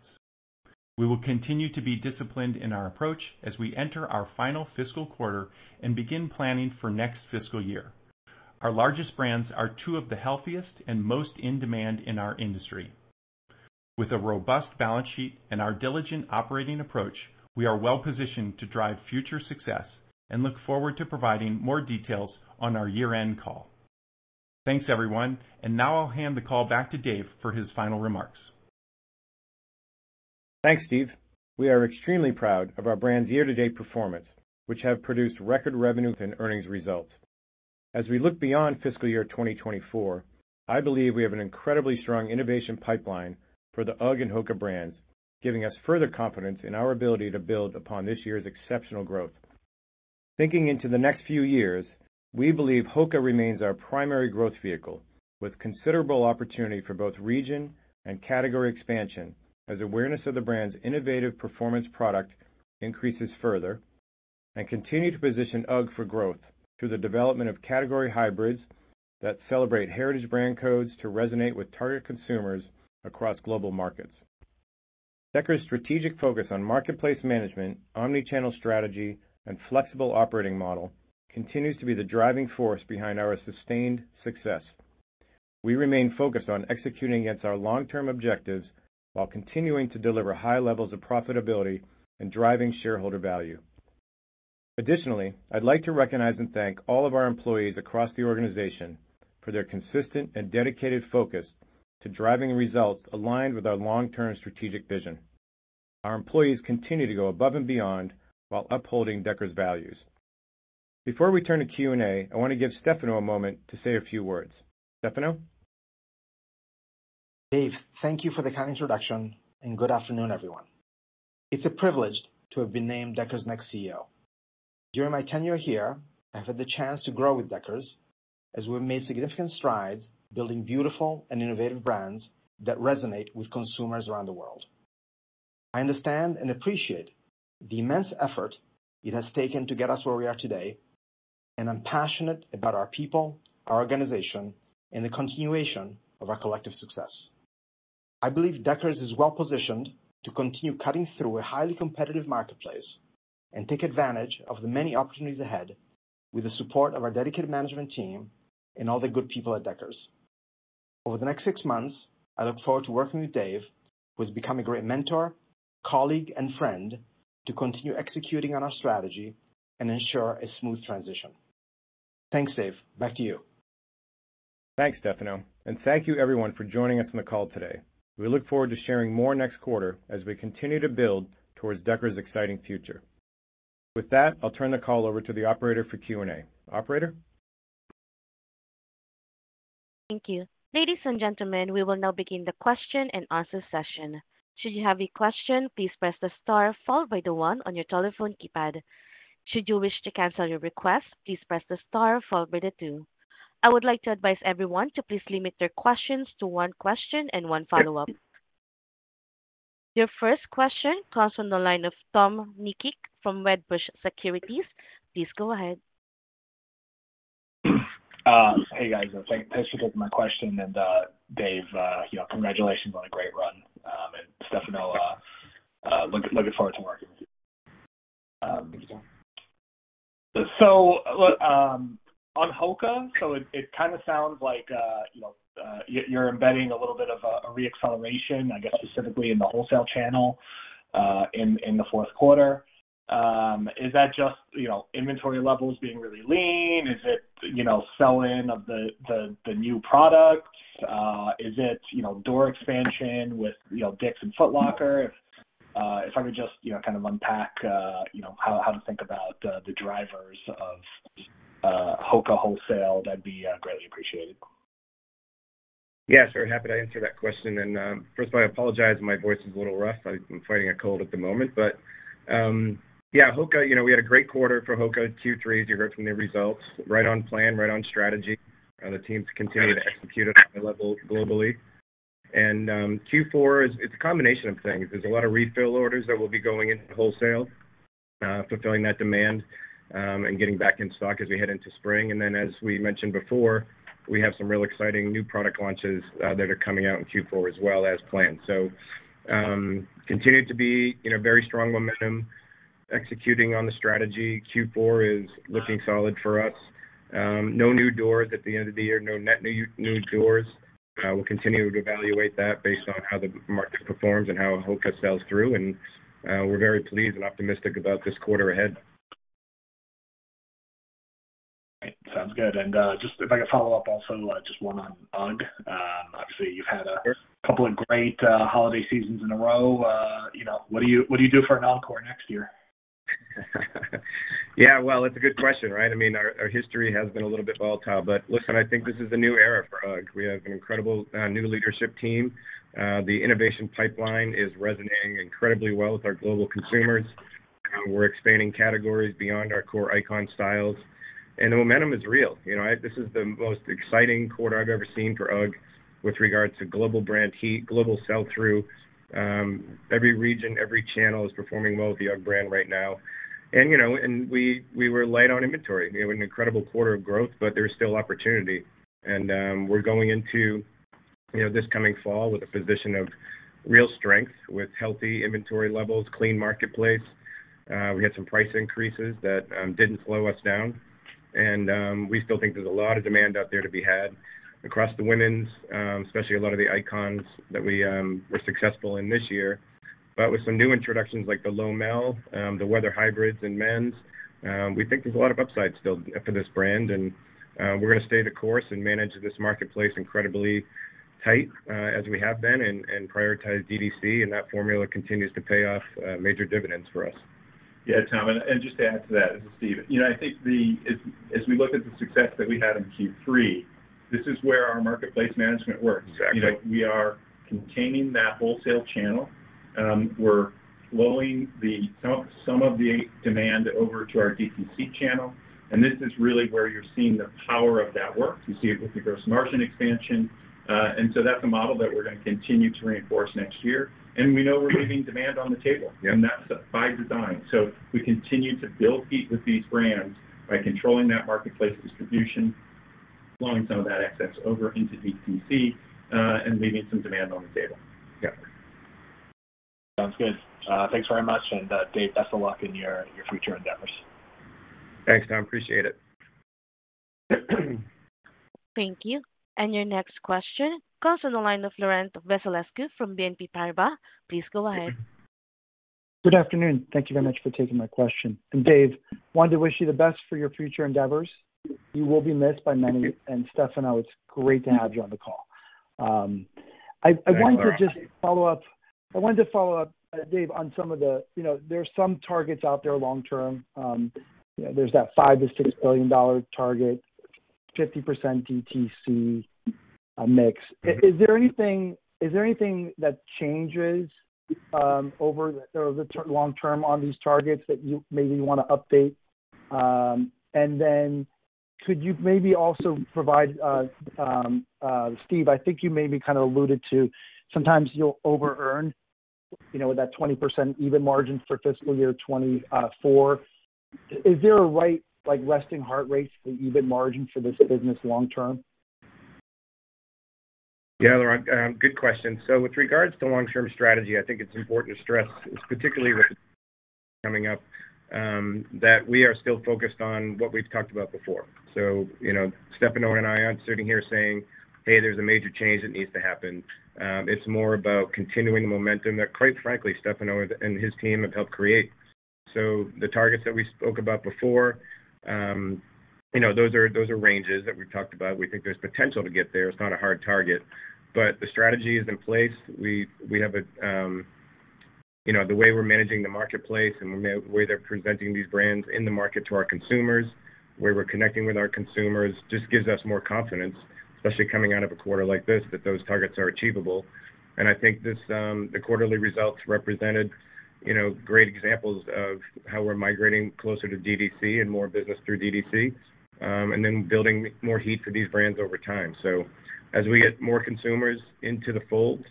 We will continue to be disciplined in our approach as we enter our final fiscal quarter and begin planning for next fiscal year. Our largest brands are two of the healthiest and most in demand in our industry. With a robust balance sheet and our diligent operating approach, we are well-positioned to drive future success and look forward to providing more details on our year-end call. Thanks, everyone, and now I'll hand the call back to Dave for his final remarks. Thanks, Steve. We are extremely proud of our brand's year-to-date performance, which has produced record revenue and earnings results. As we look beyond fiscal year 2024, I believe we have an incredibly strong innovation pipeline for the UGG and HOKA brands, giving us further confidence in our ability to build upon this year's exceptional growth. Thinking into the next few years, we believe HOKA remains our primary growth vehicle, with considerable opportunity for both region and category expansion, as awareness of the brand's innovative performance product increases further, and continue to position UGG for growth through the development of category hybrids that celebrate heritage brand codes to resonate with target consumers across global markets. Deckers' strategic focus on marketplace management, omni-channel strategy, and flexible operating model continues to be the driving force behind our sustained success. We remain focused on executing against our long-term objectives while continuing to deliver high levels of profitability and driving shareholder value. Additionally, I'd like to recognize and thank all of our employees across the organization for their consistent and dedicated focus to driving results aligned with our long-term strategic vision. Our employees continue to go above and beyond while upholding Deckers' values. Before we turn to Q&A, I want to give Stefano a moment to say a few words. Stefano? Dave, thank you for the kind introduction, and good afternoon, everyone. It's a privilege to have been named Deckers' next CEO. During my tenure here, I've had the chance to grow with Deckers as we've made significant strides building beautiful and innovative brands that resonate with consumers around the world. I understand and appreciate the immense effort it has taken to get us where we are today, and I'm passionate about our people, our organization, and the continuation of our collective success. I believe Deckers is well-positioned to continue cutting through a highly competitive marketplace and take advantage of the many opportunities ahead with the support of our dedicated management team and all the good people at Deckers. Over the next six months, I look forward to working with Dave, who has become a great mentor, colleague, and friend, to continue executing on our strategy and ensure a smooth transition. Thanks, Dave. Back to you. Thanks, Stefano, and thank you, everyone, for joining us on the call today. We look forward to sharing more next quarter as we continue to build towards Deckers' exciting future. With that, I'll turn the call over to the operator for Q&A. Operator? Thank you. Ladies and gentlemen, we will now begin the question and answer session. Should you have a question, please press the star followed by the one on your telephone keypad. Should you wish to cancel your request, please press the star followed by the two. I would like to advise everyone to please limit their questions to one question and one follow-up. Your first question comes on the line of Tom Nikic from Wedbush Securities. Please go ahead. Hey, guys. Thanks for taking my question. And, Dave, you know, congratulations on a great run. And Stefano, looking forward to working with you. So look, on HOKA, so it kind of sounds like, you know, you're embedding a little bit of a re-acceleration, I guess, specifically in the wholesale channel, in the fourth quarter. Is that just, you know, inventory levels being really lean? Is it, you know, sell-in of the new products? Is it, you know, door expansion with, you know, Dick's and Foot Locker? If I were just, you know, kind of unpack, you know, how to think about the drivers of HOKA wholesale, that'd be greatly appreciated. Yeah, sure. Happy to answer that question. And, first of all, I apologize, my voice is a little rough. I'm fighting a cold at the moment, but, yeah, HOKA, you know, we had a great quarter for HOKA Q3, as you heard from the results. Right on plan, right on strategy. The teams continue to execute at high levels globally. And, Q4 is it's a combination of things. There's a lot of refill orders that will be going into wholesale, fulfilling that demand, and getting back in stock as we head into spring. And then, as we mentioned before, we have some real exciting new product launches, that are coming out in Q4 as well as planned. So, continue to be in a very strong momentum, executing on the strategy. Q4 is looking solid for us. No new doors at the end of the year, no net new, new doors. We'll continue to evaluate that based on how the market performs and how HOKA sells through, and we're very pleased and optimistic about this quarter ahead. Sounds good. And, just if I could follow up also, just one on UGG. Obviously, you've had a couple of great holiday seasons in a row. You know, what do you, what do you do for an encore next year? Yeah, well, it's a good question, right? I mean, our, our history has been a little bit volatile, but listen, I think this is a new era for UGG. We have an incredible new leadership team. The innovation pipeline is resonating incredibly well with our global consumers. We're expanding categories beyond our core icon styles, and the momentum is real. You know, this is the most exciting quarter I've ever seen for UGG with regards to global brand heat, global sell-through. Every region, every channel is performing well with the UGG brand right now. And, you know, and we, we were light on inventory. We have an incredible quarter of growth, but there's still opportunity. And, we're going into, you know, this coming fall with a position of real strength, with healthy inventory levels, clean marketplace. We had some price increases that didn't slow us down, and we still think there's a lot of demand out there to be had across the women's, especially a lot of the icons that we were successful in this year. But with some new introductions like the Lowmel, the Weather Hybrids and men's, we think there's a lot of upside still for this brand, and we're going to stay the course and manage this marketplace incredibly tight, as we have been and prioritize DTC, and that formula continues to pay off major dividends for us. Yeah, Tom, and just to add to that, this is Steve. You know, I think, as we look at the success that we had in Q3, this is where our marketplace management works. Exactly. You know, we are containing that wholesale channel. We're flowing some of the demand over to our DTC channel, and this is really where you're seeing the power of that work. You see it with the gross margin expansion. And so that's a model that we're going to continue to reinforce next year. And we know we're leaving demand on the table- Yep. And that's by design. So we continue to build heat with these brands by controlling that marketplace distribution, flowing some of that excess over into DDC, and leaving some demand on the table. Yep. Sounds good. Thanks very much, and, Dave, best of luck in your, your future endeavors. Thanks, Tom. Appreciate it. Thank you. And your next question comes on the line of Laurent Vasilescu from BNP Paribas. Please go ahead. Good afternoon. Thank you very much for taking my question. And Dave, wanted to wish you the best for your future endeavors. You will be missed by many. Thank you. Stefano, it's great to have you on the call. I wanted to just follow up- Thanks, Laurent. I wanted to follow up, Dave, on some of the... You know, there are some targets out there long term. You know, there's that $5-$6 billion target, 50% DTC mix. Is there anything that changes over the long term on these targets that you maybe want to update? And then could you maybe also provide, Steve, I think you maybe kind of alluded to sometimes you'll over earn, you know, with that 20% operating margin for fiscal year 2024. Is there a right, like, resting heart rate for operating margin for this business long term? Yeah, Laurent, good question. So with regards to long-term strategy, I think it's important to stress, particularly with coming up, that we are still focused on what we've talked about before. So, you know, Stefano and I aren't sitting here saying, "Hey, there's a major change that needs to happen." It's more about continuing the momentum that, quite frankly, Stefano and his team have helped create. So the targets that we spoke about before, you know, those are, those are ranges that we've talked about. We think there's potential to get there. It's not a hard target, but the strategy is in place. We, we have a, You know, the way we're managing the marketplace and way they're presenting these brands in the market to our consumers, where we're connecting with our consumers, just gives us more confidence, especially coming out of a quarter like this, that those targets are achievable. And I think this, the quarterly results represented, you know, great examples of how we're migrating closer to DTC and more business through DTC, and then building more heat for these brands over time. So as we get more consumers into the fold,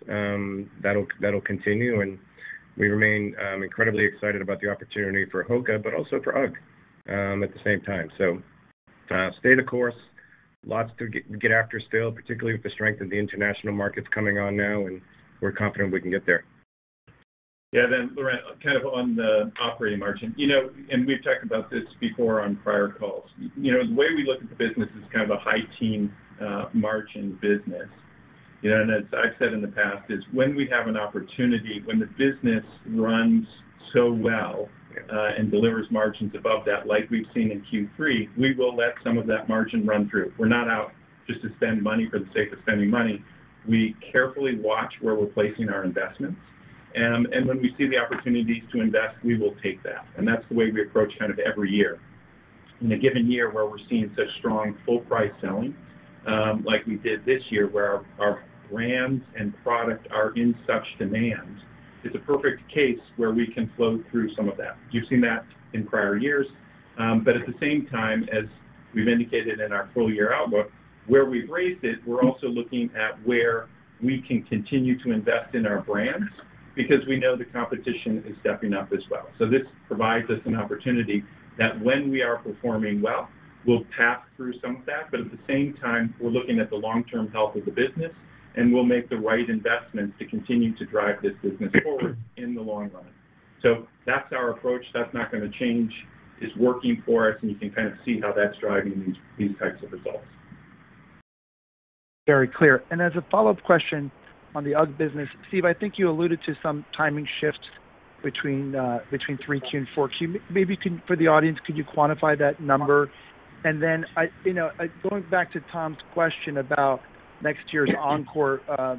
that'll, that'll continue, and we remain, incredibly excited about the opportunity for HOKA, but also for UGG at the same time. So, stay the course. Lots to get, get after still, particularly with the strength of the international markets coming on now, and we're confident we can get there. Yeah. Then, Laurent, kind of on the operating margin, you know, and we've talked about this before on prior calls. You know, the way we look at the business is kind of a high teen margin business. You know, and as I've said in the past, is when we have an opportunity, when the business runs so well and delivers margins above that, like we've seen in Q3, we will let some of that margin run through. We're not out just to spend money for the sake of spending money. We carefully watch where we're placing our investments, and when we see the opportunities to invest, we will take that. And that's the way we approach kind of every year. In a given year, where we're seeing such strong full price selling, like we did this year, where our brands and product are in such demand, it's a perfect case where we can flow through some of that. You've seen that in prior years. But at the same time, as we've indicated in our full year outlook, where we've raised it, we're also looking at where we can continue to invest in our brands because we know the competition is stepping up as well. So this provides us an opportunity that when we are performing well, we'll pass through some of that, but at the same time, we're looking at the long-term health of the business, and we'll make the right investments to continue to drive this business forward in the long run. So that's our approach. That's not gonna change. It's working for us, and you can kind of see how that's driving these, these types of results. Very clear. And as a follow-up question on the UGG business, Steve, I think you alluded to some timing shifts between 3Q and 4Q. For the audience, could you quantify that number? And then I, you know, going back to Tom's question about next year's Encore,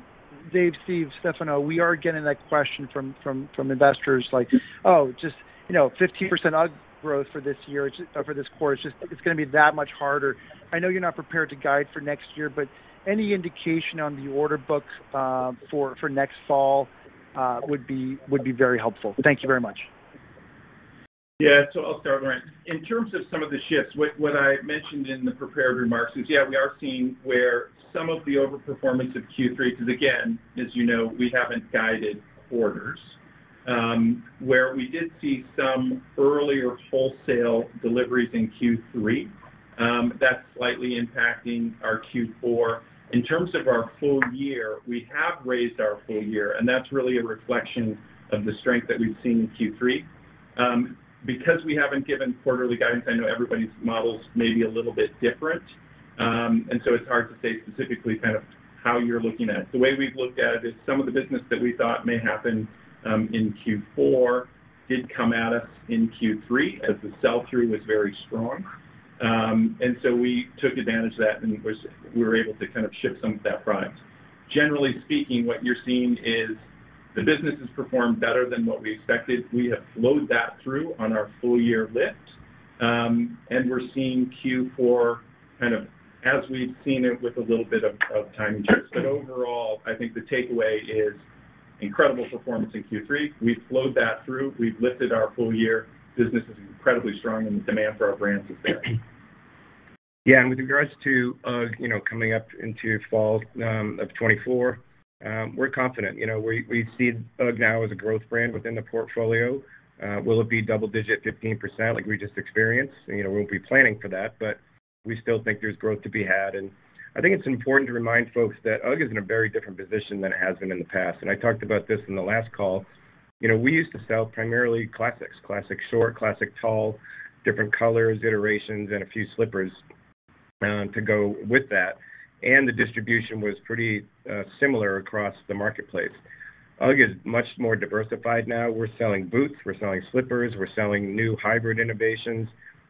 Dave, Steve, Stefano, we are getting that question from investors like, Oh, just, you know, 15% UGG growth for this year or for this quarter, it's just it's gonna be that much harder. I know you're not prepared to guide for next year, but any indication on the order book for next fall would be very helpful. Thank you very much. Yeah. So I'll start, Laurent. In terms of some of the shifts, what I mentioned in the prepared remarks is, yeah, we are seeing where some of the overperformance of Q3, because again, as you know, we haven't guided orders. Where we did see some earlier wholesale deliveries in Q3, that's slightly impacting our Q4. In terms of our full year, we have raised our full year, and that's really a reflection of the strength that we've seen in Q3. Because we haven't given quarterly guidance, I know everybody's models may be a little bit different, and so it's hard to say specifically kind of how you're looking at it. The way we've looked at it is some of the business that we thought may happen in Q4 did come at us in Q3 as the sell-through was very strong. And so we took advantage of that, and we were able to kind of ship some of that product. Generally speaking, what you're seeing is the business has performed better than what we expected. We have flowed that through on our full-year lift, and we're seeing Q4 kind of as we've seen it with a little bit of timing shifts. But overall, I think the takeaway is incredible performance in Q3. We've flowed that through, we've lifted our full year. Business is incredibly strong, and the demand for our brands is there. Yeah, and with regards to UGG, you know, coming up into fall of 2024, we're confident. You know, we see UGG now as a growth brand within the portfolio. Will it be double-digit 15%, like we just experienced? You know, we'll be planning for that, but we still think there's growth to be had. And I think it's important to remind folks that UGG is in a very different position than it has been in the past. And I talked about this in the last call. You know, we used to sell primarily classics, Classic Short, Classic Tall, different colors, iterations, and a few slippers to go with that, and the distribution was pretty similar across the marketplace. UGG is much more diversified now. We're selling boots, we're selling slippers, we're selling new hybrid innovations,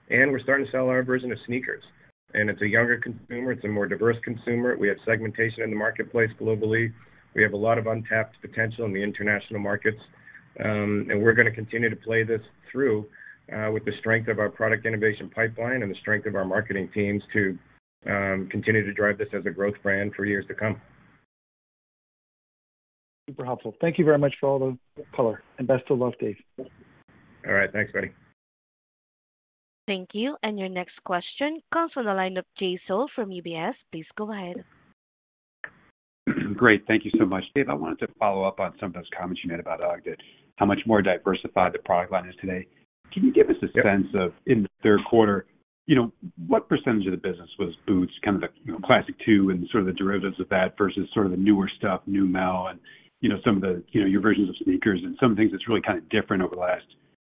and we're starting to sell our version of sneakers. And it's a younger consumer, it's a more diverse consumer. We have segmentation in the marketplace globally. We have a lot of untapped potential in the international markets, and we're gonna continue to play this through, with the strength of our product innovation pipeline and the strength of our marketing teams to, continue to drive this as a growth brand for years to come. Super helpful. Thank you very much for all the color, and best of luck, Dave. All right. Thanks, buddy. Thank you. And your next question comes from the line of Jay Sole from UBS. Please go ahead. Great. Thank you so much. Dave, I wanted to follow up on some of those comments you made about UGG, how much more diversified the product line is today. Can you give us a sense of, in the third quarter, you know, what percentage of the business was boots, kind of the, you know, Classic II and sort of the derivatives of that versus sort of the newer stuff, new now, and you know, some of the, you know, your versions of sneakers and some things that's really kind of different over the last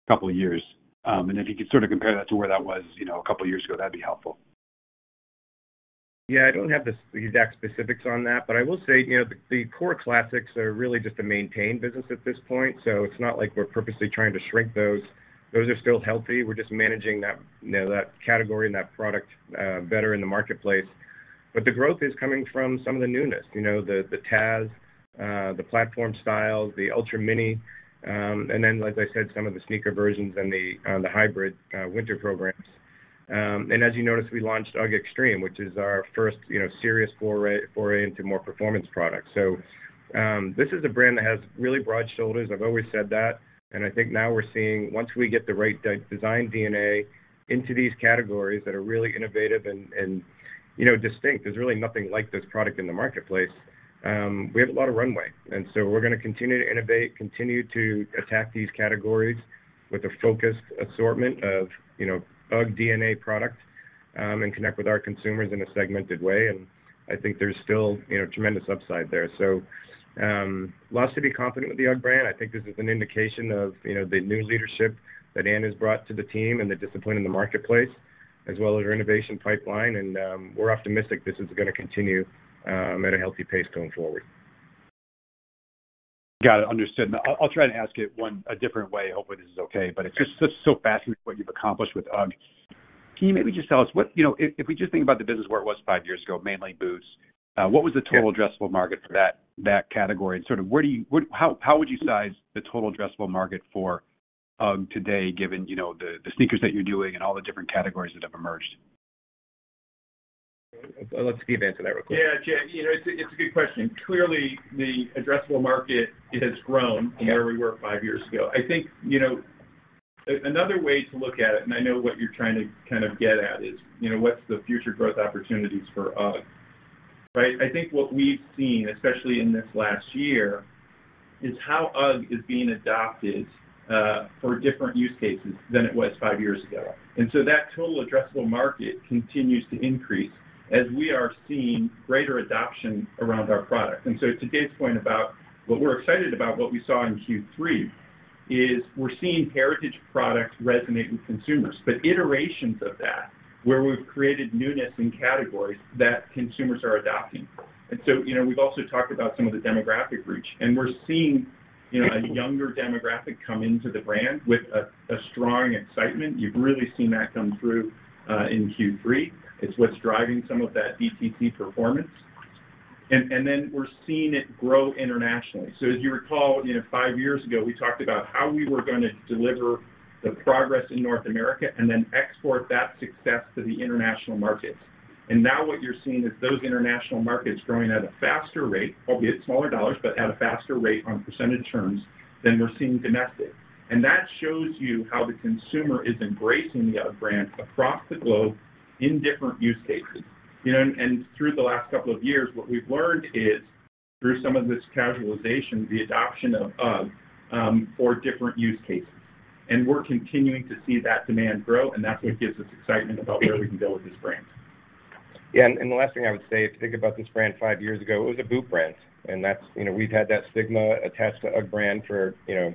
couple of years? And if you could sort of compare that to where that was, you know, a couple of years ago, that'd be helpful. Yeah, I don't have the exact specifics on that, but I will say, you know, the core classics are really just a maintained business at this point, so it's not like we're purposely trying to shrink those. Those are still healthy. We're just managing that, you know, that category and that product better in the marketplace. But the growth is coming from some of the newness, you know, the Tasman, the platform styles, the Ultra Mini, and then, like I said, some of the sneaker versions and the hybrid winter programs. And as you noticed, we launched UGG Extreme, which is our first, you know, serious foray into more performance products. So, this is a brand that has really broad shoulders. I've always said that, and I think now we're seeing once we get the right design DNA into these categories that are really innovative and, you know, distinct, there's really nothing like this product in the marketplace. We have a lot of runway, and so we're going to continue to innovate, continue to attack these categories with a focused assortment of, you know, UGG DNA product, and connect with our consumers in a segmented way. And I think there's still, you know, tremendous upside there. So, lots to be confident with the UGG brand. I think this is an indication of, you know, the new leadership that Anne has brought to the team and the discipline in the marketplace, as well as our innovation pipeline. And, we're optimistic this is going to continue at a healthy pace going forward. Got it. Understood. And I'll try to ask it one a different way. Hopefully, this is okay, but it's just so fascinating what you've accomplished with UGG. Can you maybe just tell us what you know, if, if we just think about the business where it was five years ago, mainly boots, what was the total addressable market for that, that category? And sort of where do you what how, how would you size the total addressable market for UGG today, given, you know, the, the sneakers that you're doing and all the different categories that have emerged? I'll let Steve answer that real quick. Yeah, Jay, you know, it's a good question. Clearly, the addressable market has grown- Yeah... from where we were five years ago. I think, you know, another way to look at it, and I know what you're trying to kind of get at is, you know, what's the future growth opportunities for UGG, right? I think what we've seen, especially in this last year, is how UGG is being adopted for different use cases than it was five years ago. And so that total addressable market continues to increase as we are seeing greater adoption around our product. And so to Dave's point about what we're excited about, what we saw in Q3 is we're seeing heritage products resonate with consumers, but iterations of that, where we've created newness in categories that consumers are adopting. And so, you know, we've also talked about some of the demographic reach, and we're seeing, you know, a younger demographic come into the brand with a, a strong excitement. You've really seen that come through in Q3. It's what's driving some of that DTC performance. And, and then we're seeing it grow internationally. So as you recall, you know, five years ago, we talked about how we were going to deliver the progress in North America and then export that success to the international markets. And now what you're seeing is those international markets growing at a faster rate, albeit smaller dollars, but at a faster rate on percentage terms than we're seeing domestic. And that shows you how the consumer is embracing the UGG brand across the globe in different use cases. You know, through the last couple of years, what we've learned is, through some of this casualization, the adoption of UGG for different use cases. And we're continuing to see that demand grow, and that's what gives us excitement about where we can go with this brand. Yeah, and the last thing I would say, if you think about this brand five years ago, it was a boot brand, and that's, you know, we've had that stigma attached to UGG brand for, you know,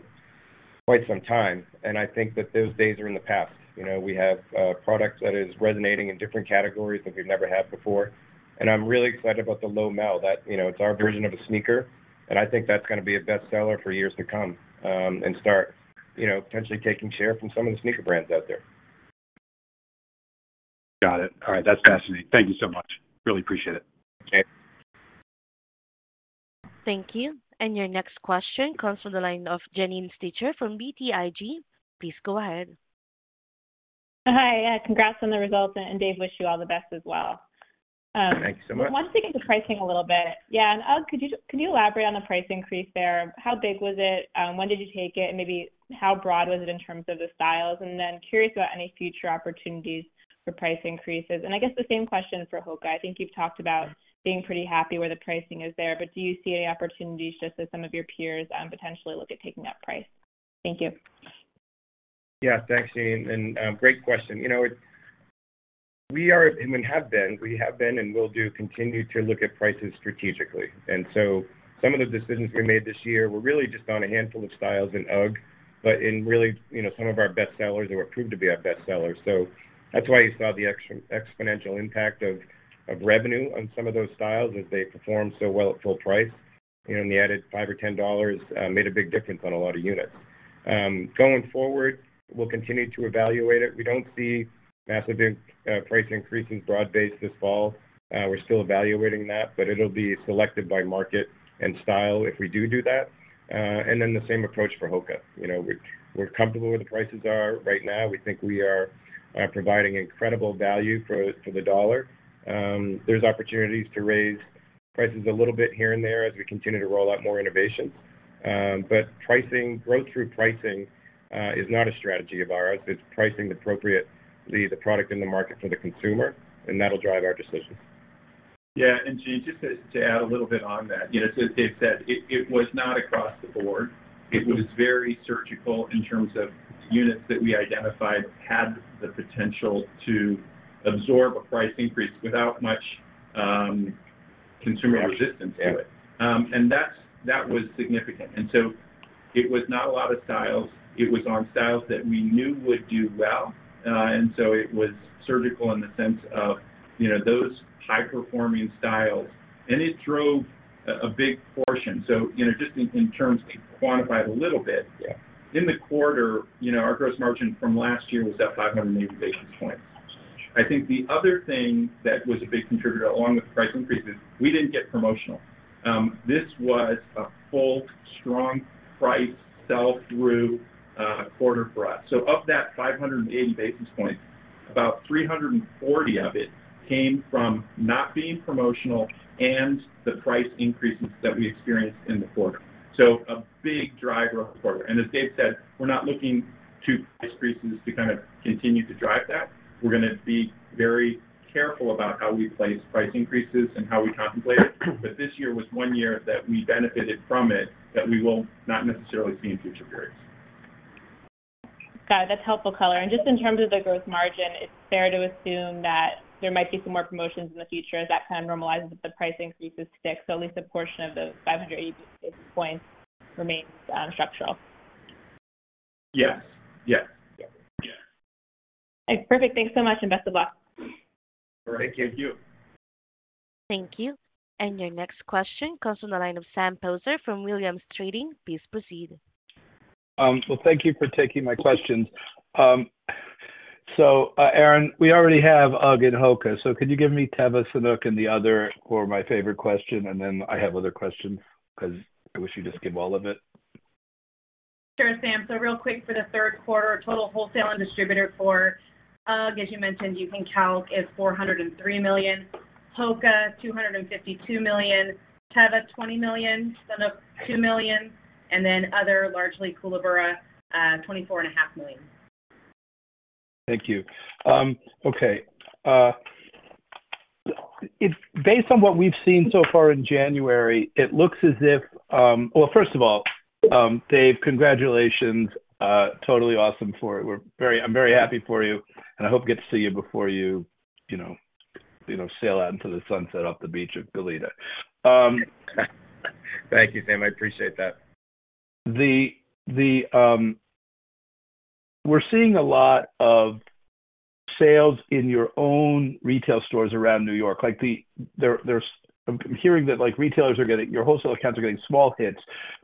quite some time, and I think that those days are in the past. You know, we have a product that is resonating in different categories that we've never had before, and I'm really excited about the Lowmel. That, you know, it's our version of a sneaker, and I think that's going to be a bestseller for years to come, and start, you know, potentially taking share from some of the sneaker brands out there. Got it. All right. That's fascinating. Thank you so much. Really appreciate it. Okay. Thank you. Your next question comes from the line of Janine Stichter from BTIG. Please go ahead. Hi. Congrats on the results, and Dave, wish you all the best as well. Thanks so much. I want to get into pricing a little bit. Yeah, and UGG, could you elaborate on the price increase there? How big was it? When did you take it? And maybe how broad was it in terms of the styles? And then curious about any future opportunities for price increases. And I guess the same question for HOKA. I think you've talked about being pretty happy where the pricing is there, but do you see any opportunities, just as some of your peers potentially look at taking up price? Thank you. Yes, thanks, Janine, and great question. You know, it's we are, and we have been—we have been and will continue to look at prices strategically. And so some of the decisions we made this year were really just on a handful of styles in UGG, but really, you know, some of our best sellers or proved to be our best sellers. So that's why you saw the exponential impact of revenue on some of those styles as they performed so well at full price. You know, and the added $5 or $10 made a big difference on a lot of units. Going forward, we'll continue to evaluate it. We don't see massive price increases broad-based this fall. We're still evaluating that, but it'll be selected by market and style if we do do that. And then the same approach for HOKA. You know, we're comfortable where the prices are right now. We think we are providing incredible value for the dollar. There's opportunities to raise prices a little bit here and there as we continue to roll out more innovations. But pricing, growth through pricing, is not a strategy of ours. It's pricing appropriately the product in the market for the consumer, and that'll drive our decisions. Yeah, and Janine, just to add a little bit on that. You know, so as Dave said, it was not across the board. It was very surgical in terms of units that we identified had the potential to absorb a price increase without much consumer resistance to it. Yeah. And that was significant. And so it was not a lot of styles. It was on styles that we knew would do well. And so it was surgical in the sense of, you know, those high-performing styles, and it drove a big portion. So, you know, just in terms of quantifying it a little bit- Yeah... in the quarter, you know, our gross margin from last year was up 580 basis points. I think the other thing that was a big contributor, along with price increases, we didn't get promotional. This was a full, strong price sell-through quarter for us. So of that 580 basis points, about 340 of it came from not being promotional and the price increases that we experienced in the quarter. So a big driver quarter. And as Dave said, we're not looking to price increases to kind of continue to drive that. We're going to be very careful about how we place price increases and how we contemplate it. But this year was one year that we benefited from it, that we will not necessarily see in future periods. ... Got it. That's helpful color. And just in terms of the gross margin, it's fair to assume that there might be some more promotions in the future as that kind of normalizes with the price increases stick, so at least a portion of the 580 basis points remains, structural? Yes. Yes. Yes. Yes. Perfect. Thanks so much, and best of luck. Thank you. Thank you. And your next question comes from the line of Sam Poser from Williams Trading. Please proceed. Well, thank you for taking my questions. So, Erinn, we already have UGG and HOKA, so could you give me Teva, Sanuk, and the other for my favorite question? And then I have other questions because I wish you'd just give all of it. Sure, Sam. So real quick, for the third quarter, total wholesale and distributor for UGG, as you mentioned, you can calc, is $403 million. HOKA, $252 million. Teva, $20 million. Sanuk, $2 million. And then other, largely Koolaburra, $24.5 million. Thank you. Okay, it's based on what we've seen so far in January, it looks as if... Well, first of all, Dave, congratulations. Totally awesome for it. We're very—I'm very happy for you, and I hope I get to see you before you, you know, you know, sail out into the sunset off the beach of Goleta. Thank you, Sam. I appreciate that. We're seeing a lot of sales in your own retail stores around New York. Like, I'm hearing that like retailers are getting, your wholesale accounts are getting small hits,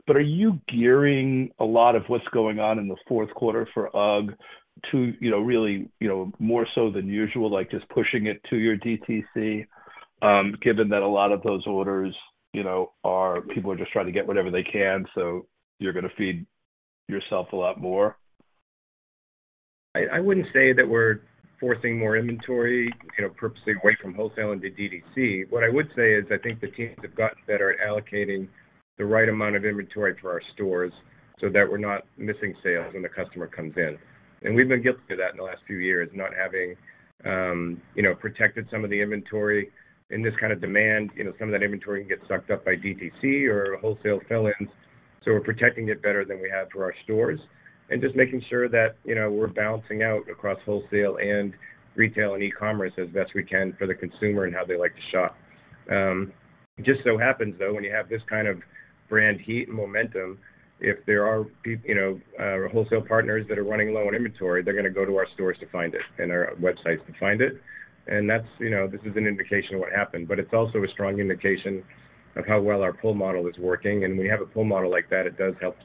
but are you gearing a lot of what's going on in the fourth quarter for UGG to, you know, really, you know, more so than usual, like, just pushing it to your DTC, given that a lot of those orders, you know, are people just trying to get whatever they can, so you're gonna feed yourself a lot more? I wouldn't say that we're forcing more inventory, you know, purposely away from wholesale into DTC. What I would say is, I think the teams have gotten better at allocating the right amount of inventory to our stores so that we're not missing sales when the customer comes in. And we've been guilty of that in the last few years, not having, you know, protected some of the inventory in this kind of demand. You know, some of that inventory can get sucked up by DTC or wholesale fill-ins. So we're protecting it better than we have for our stores and just making sure that, you know, we're balancing out across wholesale and retail and e-commerce as best we can for the consumer and how they like to shop. It just so happens, though, when you have this kind of brand heat and momentum, if there are people, you know, wholesale partners that are running low on inventory, they're gonna go to our stores to find it and our websites to find it. And that's, you know, this is an indication of what happened, but it's also a strong indication of how well our pull model is working. And when you have a pull model like that, it does help,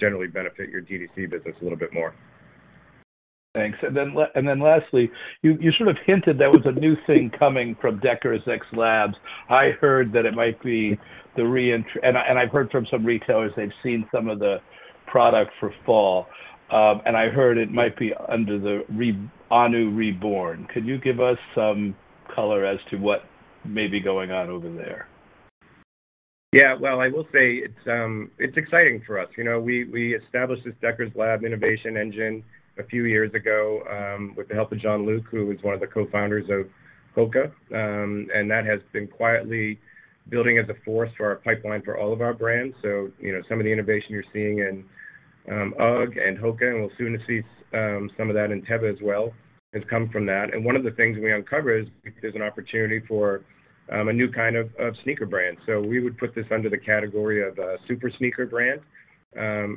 generally benefit your DTC business a little bit more. Thanks. And then lastly, you sort of hinted there was a new thing coming from Deckers X Labs. I've heard from some retailers, they've seen some of the product for fall, and I heard it might be under the Ahnu Reborn. Could you give us some color as to what may be going on over there? Yeah. Well, I will say it's exciting for us. You know, we established this Deckers Lab innovation engine a few years ago with the help of Jean-Luc Diard, who was one of the cofounders of HOKA. And that has been quietly building as a force for our pipeline for all of our brands. So, you know, some of the innovation you're seeing in UGG and HOKA, and we'll soon to see some of that in Teva as well, has come from that. And one of the things we uncovered is there's an opportunity for a new kind of sneaker brand. So we would put this under the category of a super sneaker brand.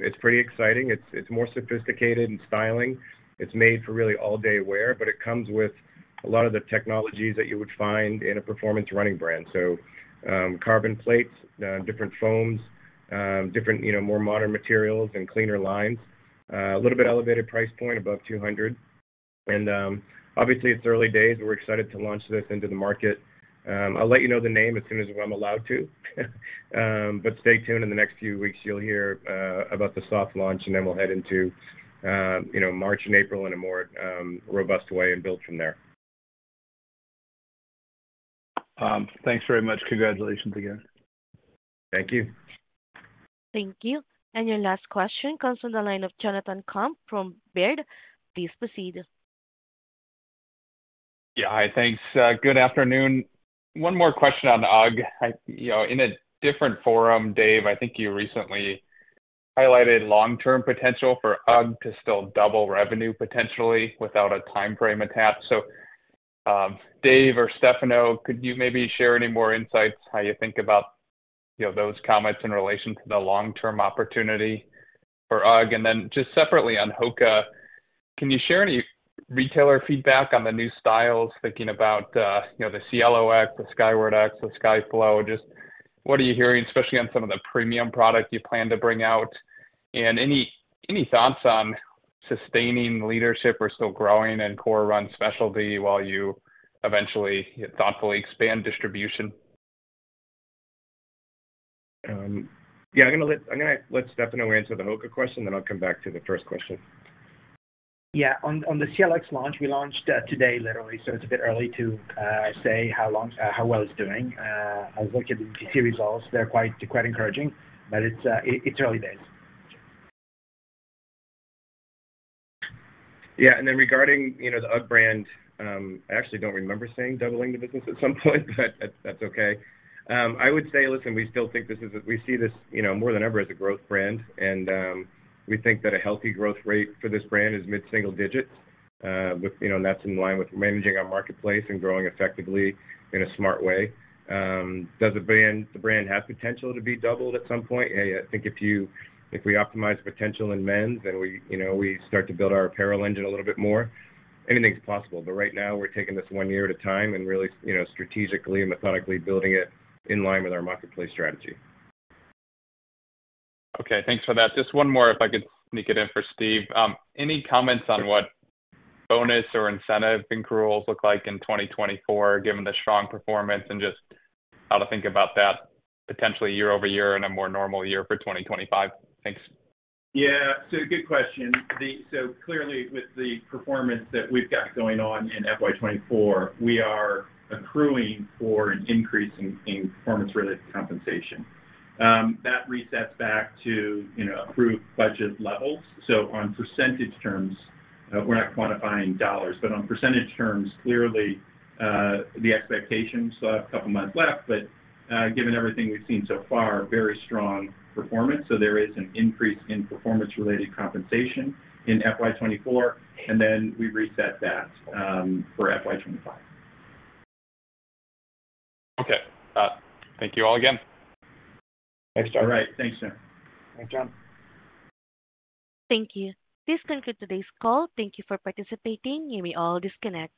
It's pretty exciting. It's more sophisticated in styling. It's made for really all-day wear, but it comes with a lot of the technologies that you would find in a performance running brand. So, carbon plates, different foams, you know, more modern materials and cleaner lines. A little bit elevated price point, above $200. And, obviously, it's early days, and we're excited to launch this into the market. I'll let you know the name as soon as I'm allowed to. But stay tuned. In the next few weeks, you'll hear about the soft launch, and then we'll head into, you know, March and April in a more robust way and build from there. Thanks very much. Congratulations again. Thank you. Thank you. And your last question comes from the line of Jonathan Komp from Baird. Please proceed. Yeah. Hi, thanks. Good afternoon. One more question on UGG. You know, in a different forum, Dave, I think you recently highlighted long-term potential for UGG to still double revenue potentially without a time frame attached. So, Dave or Stefano, could you maybe share any more insights, how you think about, you know, those comments in relation to the long-term opportunity for UGG? And then just separately on HOKA, can you share any retailer feedback on the new styles, thinking about, you know, the Cielo X, the Skyward X, the Skyflow? Just what are you hearing, especially on some of the premium product you plan to bring out? And any thoughts on sustaining leadership or still growing in core run specialty while you eventually thoughtfully expand distribution? Yeah, I'm gonna let Stefano answer the HOKA question, then I'll come back to the first question. Yeah. On the Cielo X launch, we launched today, literally, so it's a bit early to say how long, how well it's doing. I look at the key results. They're quite, quite encouraging, but it's, it's early days. Yeah, and then regarding, you know, the UGG brand, I actually don't remember saying doubling the business at some point, but that's okay. I would say, listen, we still think this is a-- we see this, you know, more than ever as a growth brand, and we think that a healthy growth rate for this brand is mid-single digits. With, you know, that's in line with managing our marketplace and growing effectively in a smart way. Does the brand, the brand have potential to be doubled at some point? I think if you-- if we optimize potential in men's, then we, you know, we start to build our apparel engine a little bit more, anything's possible. But right now, we're taking this one year at a time and really, you know, strategically and methodically building it in line with our marketplace strategy. Okay, thanks for that. Just one more, if I could sneak it in for Steve. Any comments on what bonus or incentive accruals look like in 2024, given the strong performance and just how to think about that potentially year over year in a more normal year for 2025? Thanks. Yeah, so good question. So clearly, with the performance that we've got going on in FY 2024, we are accruing for an increase in performance-related compensation. That resets back to, you know, approved budget levels. So on percentage terms, we're not quantifying dollars, but on percentage terms, clearly the expectations still have a couple of months left, but given everything we've seen so far, very strong performance. So there is an increase in performance-related compensation in FY 2024, and then we reset that for FY 2025. Okay. Thank you all again. Thanks, Jon. All right. Thanks, Jon. Thank you. This concludes today's call. Thank you for participating. You may all disconnect.